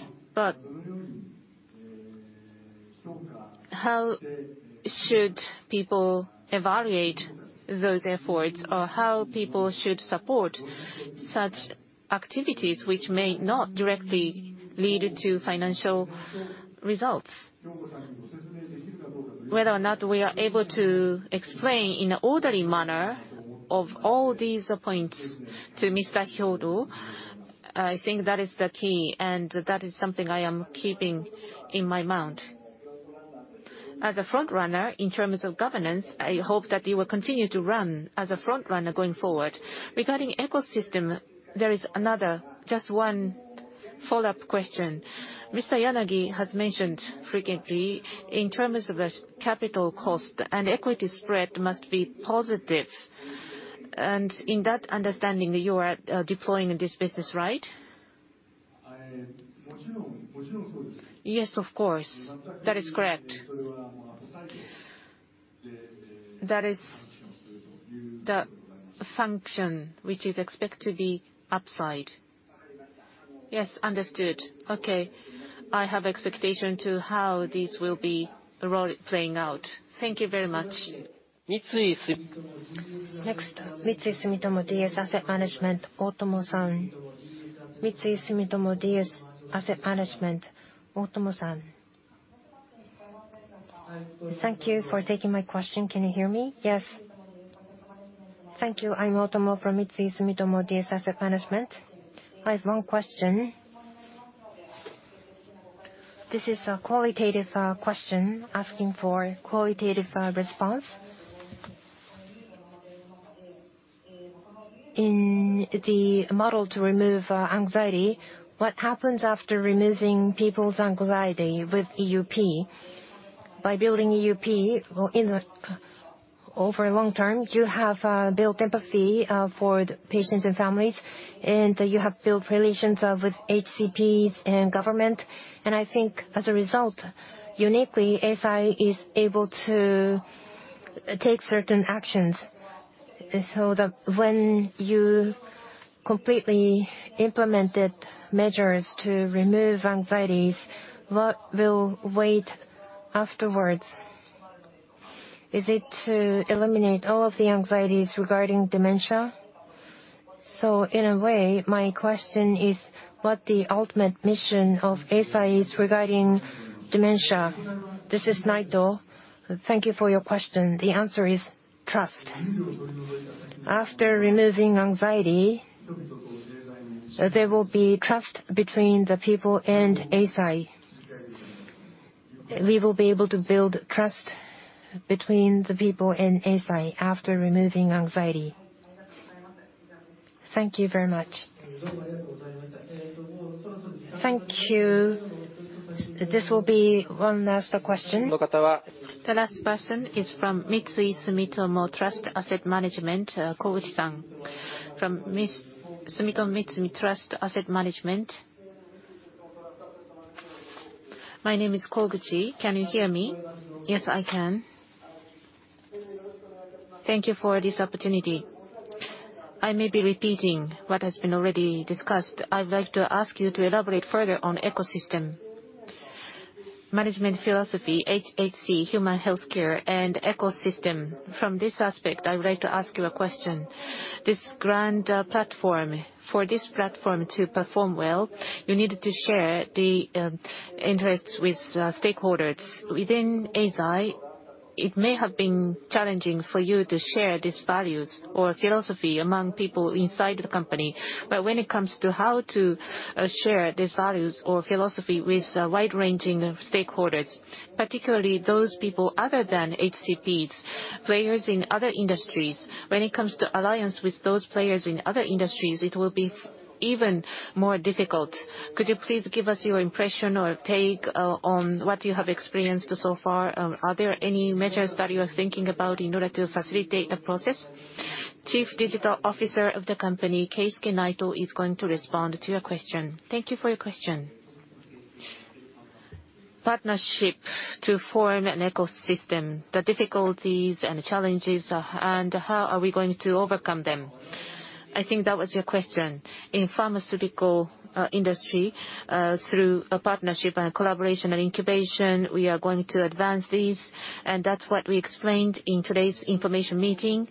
How should people evaluate those efforts, or how people should support such activities which may not directly lead to financial results? Whether or not we are able to explain in an orderly manner of all these points to Mr. Hyogo, I think that is the key, and that is something I am keeping in my mind. As a front runner in terms of governance, I hope that you will continue to run as a front runner going forward. Regarding ecosystem, there is another, just one follow-up question. Mr. Yanagi has mentioned frequently in terms of capital cost, equity spread must be positive. In that understanding, you are deploying in this business, right? Yes, of course. That is correct. That is the function which is expected to be upside. Yes, understood. Okay. I have expectation to how this will be playing out. Thank you very much. Next, Mitsui Sumitomo DS Asset Management, Otomo-san. Mitsui Sumitomo DS Asset Management, Otomo-san. Thank you for taking my question. Can you hear me? Yes. Thank you. I'm Otomo from Mitsui Sumitomo DS Asset Management. I have one question. This is a qualitative question, asking for a qualitative response. In the model to remove anxiety, what happens after removing people's anxiety with EUP? By building EUP over a long term, you have built empathy for the patients and families, and you have built relations with HCPs and government. I think as a result, uniquely, Eisai is able to take certain actions. When you completely implemented measures to remove anxieties, what will wait afterwards? Is it to eliminate all of the anxieties regarding dementia? In a way, my question is what is the ultimate mission of Eisai is regarding dementia. This is Naito. Thank you for your question. The answer is trust. After removing anxiety, there will be trust between the people and Eisai. We will be able to build trust between the people and Eisai after removing anxiety. Thank you very much. Thank you. This will be one last question. The last person is from Sumitomo Mitsui Trust Asset Management, Koguchi-san. From Sumitomo Mitsui Trust Asset Management. My name is Koguchi. Can you hear me? Yes, I can. Thank you for this opportunity. I may be repeating what has been already discussed. I would like to ask you to elaborate further on ecosystem management philosophy, hhc, human health care, and ecosystem. From this aspect, I would like to ask you a question. This grand platform, for this platform to perform well, you needed to share the interests with stakeholders. Within Eisai, it may have been challenging for you to share these values or philosophy among people inside the company. When it comes to how to share these values or philosophy with a wide-ranging of stakeholders, particularly those people other than HCPs, players in other industries. When it comes to alliance with those players in other industries, it will be even more difficult. Could you please give us your impression or take on what you have experienced so far? Are there any measures that you are thinking about in order to facilitate the process? Chief Digital Officer of the company, Keisuke Naito, is going to respond to your question. Thank you for your question. Partnership to form an ecosystem, the difficulties and challenges, and how are we going to overcome them? I think that was your question. In pharmaceutical industry, through a partnership and a collaboration and incubation, we are going to advance these, and that's what we explained in today's information meeting.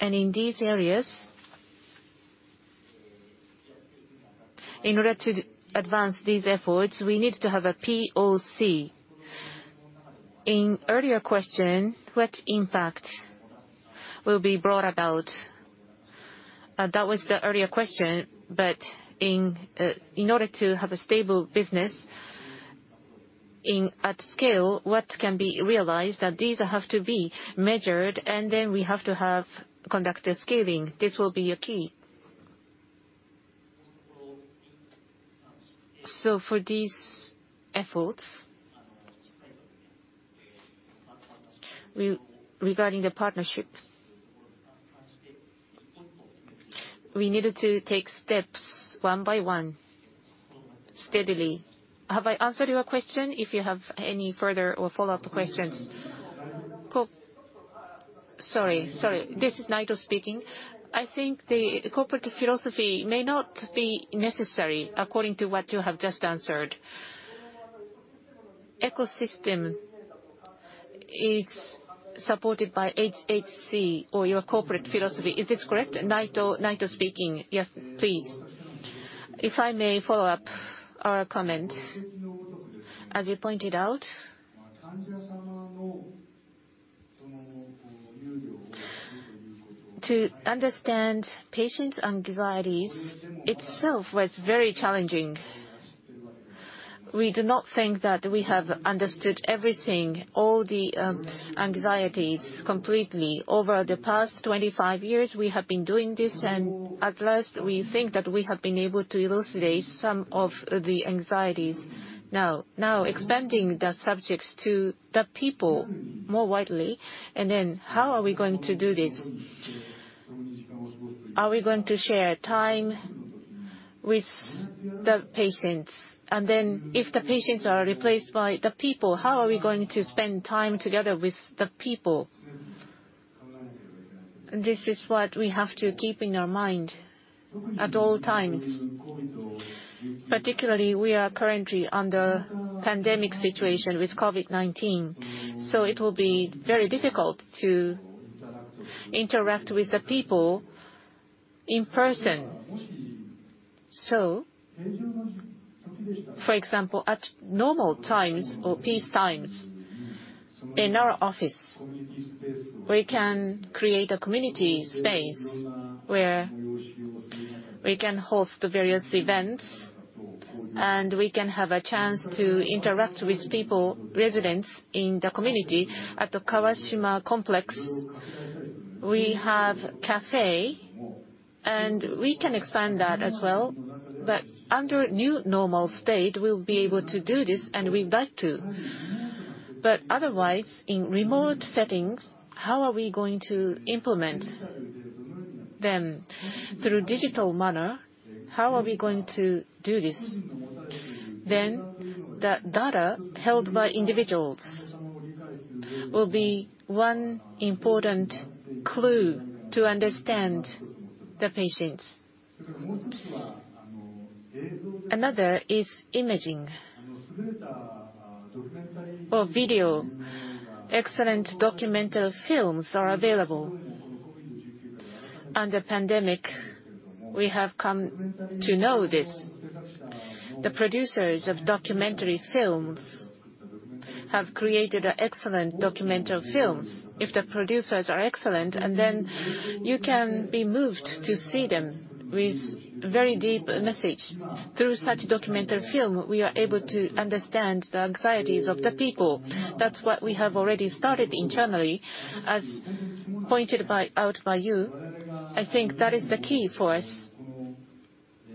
In these areas, in order to advance these efforts, we need to have a POC. In earlier question, what impact will be brought about? That was the earlier question, but in order to have a stable business at scale, what can be realized, that these have to be measured, and then we have to conduct the scaling. This will be a key. For these efforts, regarding the partnership, we needed to take steps one by one, steadily. Have I answered your question? If you have any further or follow-up questions. This is Naito speaking. I think the corporate philosophy may not be necessary according to what you have just answered. Ecosystem is supported by hhc or your corporate philosophy. Is this correct? Naito speaking. Yes, please. If I may follow up our comment. As you pointed out, to understand patients' anxieties itself was very challenging. We do not think that we have understood everything, all the anxieties completely. Over the past 25 years, we have been doing this, and at last, we think that we have been able to elucidate some of the anxieties. Now, expanding the subjects to the people more widely, and then how are we going to do this? Are we going to share time with the patients? Then if the patients are replaced by the people, how are we going to spend time together with the people? This is what we have to keep in our mind at all times. Particularly, we are currently under pandemic situation with COVID-19. It will be very difficult to interact with the people in person. For example, at normal times or peacetimes, in our office, we can create a community space where we can host the various events, and we can have a chance to interact with people, residents in the community. At the Kawashima Complex, we have café. We can expand that as well. Under new normal state, we'll be able to do this. We'd like to. Otherwise, in remote settings, how are we going to implement them through digital manner? How are we going to do this? The data held by individuals will be one important clue to understand the patients. Another is imaging or video. Excellent documentary films are available. Under pandemic, we have come to know this. The producers of documentary films have created excellent documentary films. If the producers are excellent, you can be moved to see them with very deep message. Through such documentary film, we are able to understand the anxieties of the people. That's what we have already started internally. As pointed out by you, I think that is the key for us.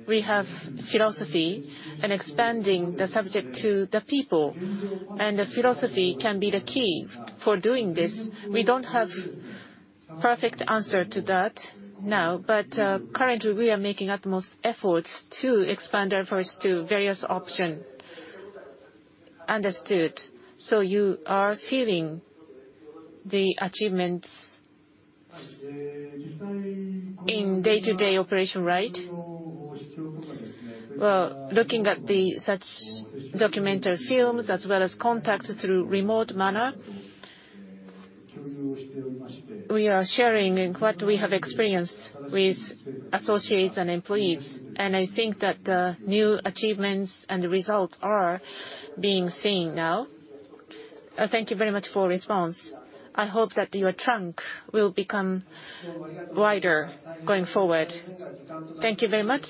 We have philosophy in expanding the subject to the people, the philosophy can be the key for doing this. We don't have perfect answer to that now, currently, we are making utmost efforts to expand our efforts to various option. Understood. You are feeling the achievements in day-to-day operation, right? Well, looking at such documentary films, as well as contacts through remote manner, we are sharing what we have experienced with associates and employees, and I think that the new achievements and results are being seen now. Thank you very much for response. I hope that your trunk will become wider going forward. Thank you very much.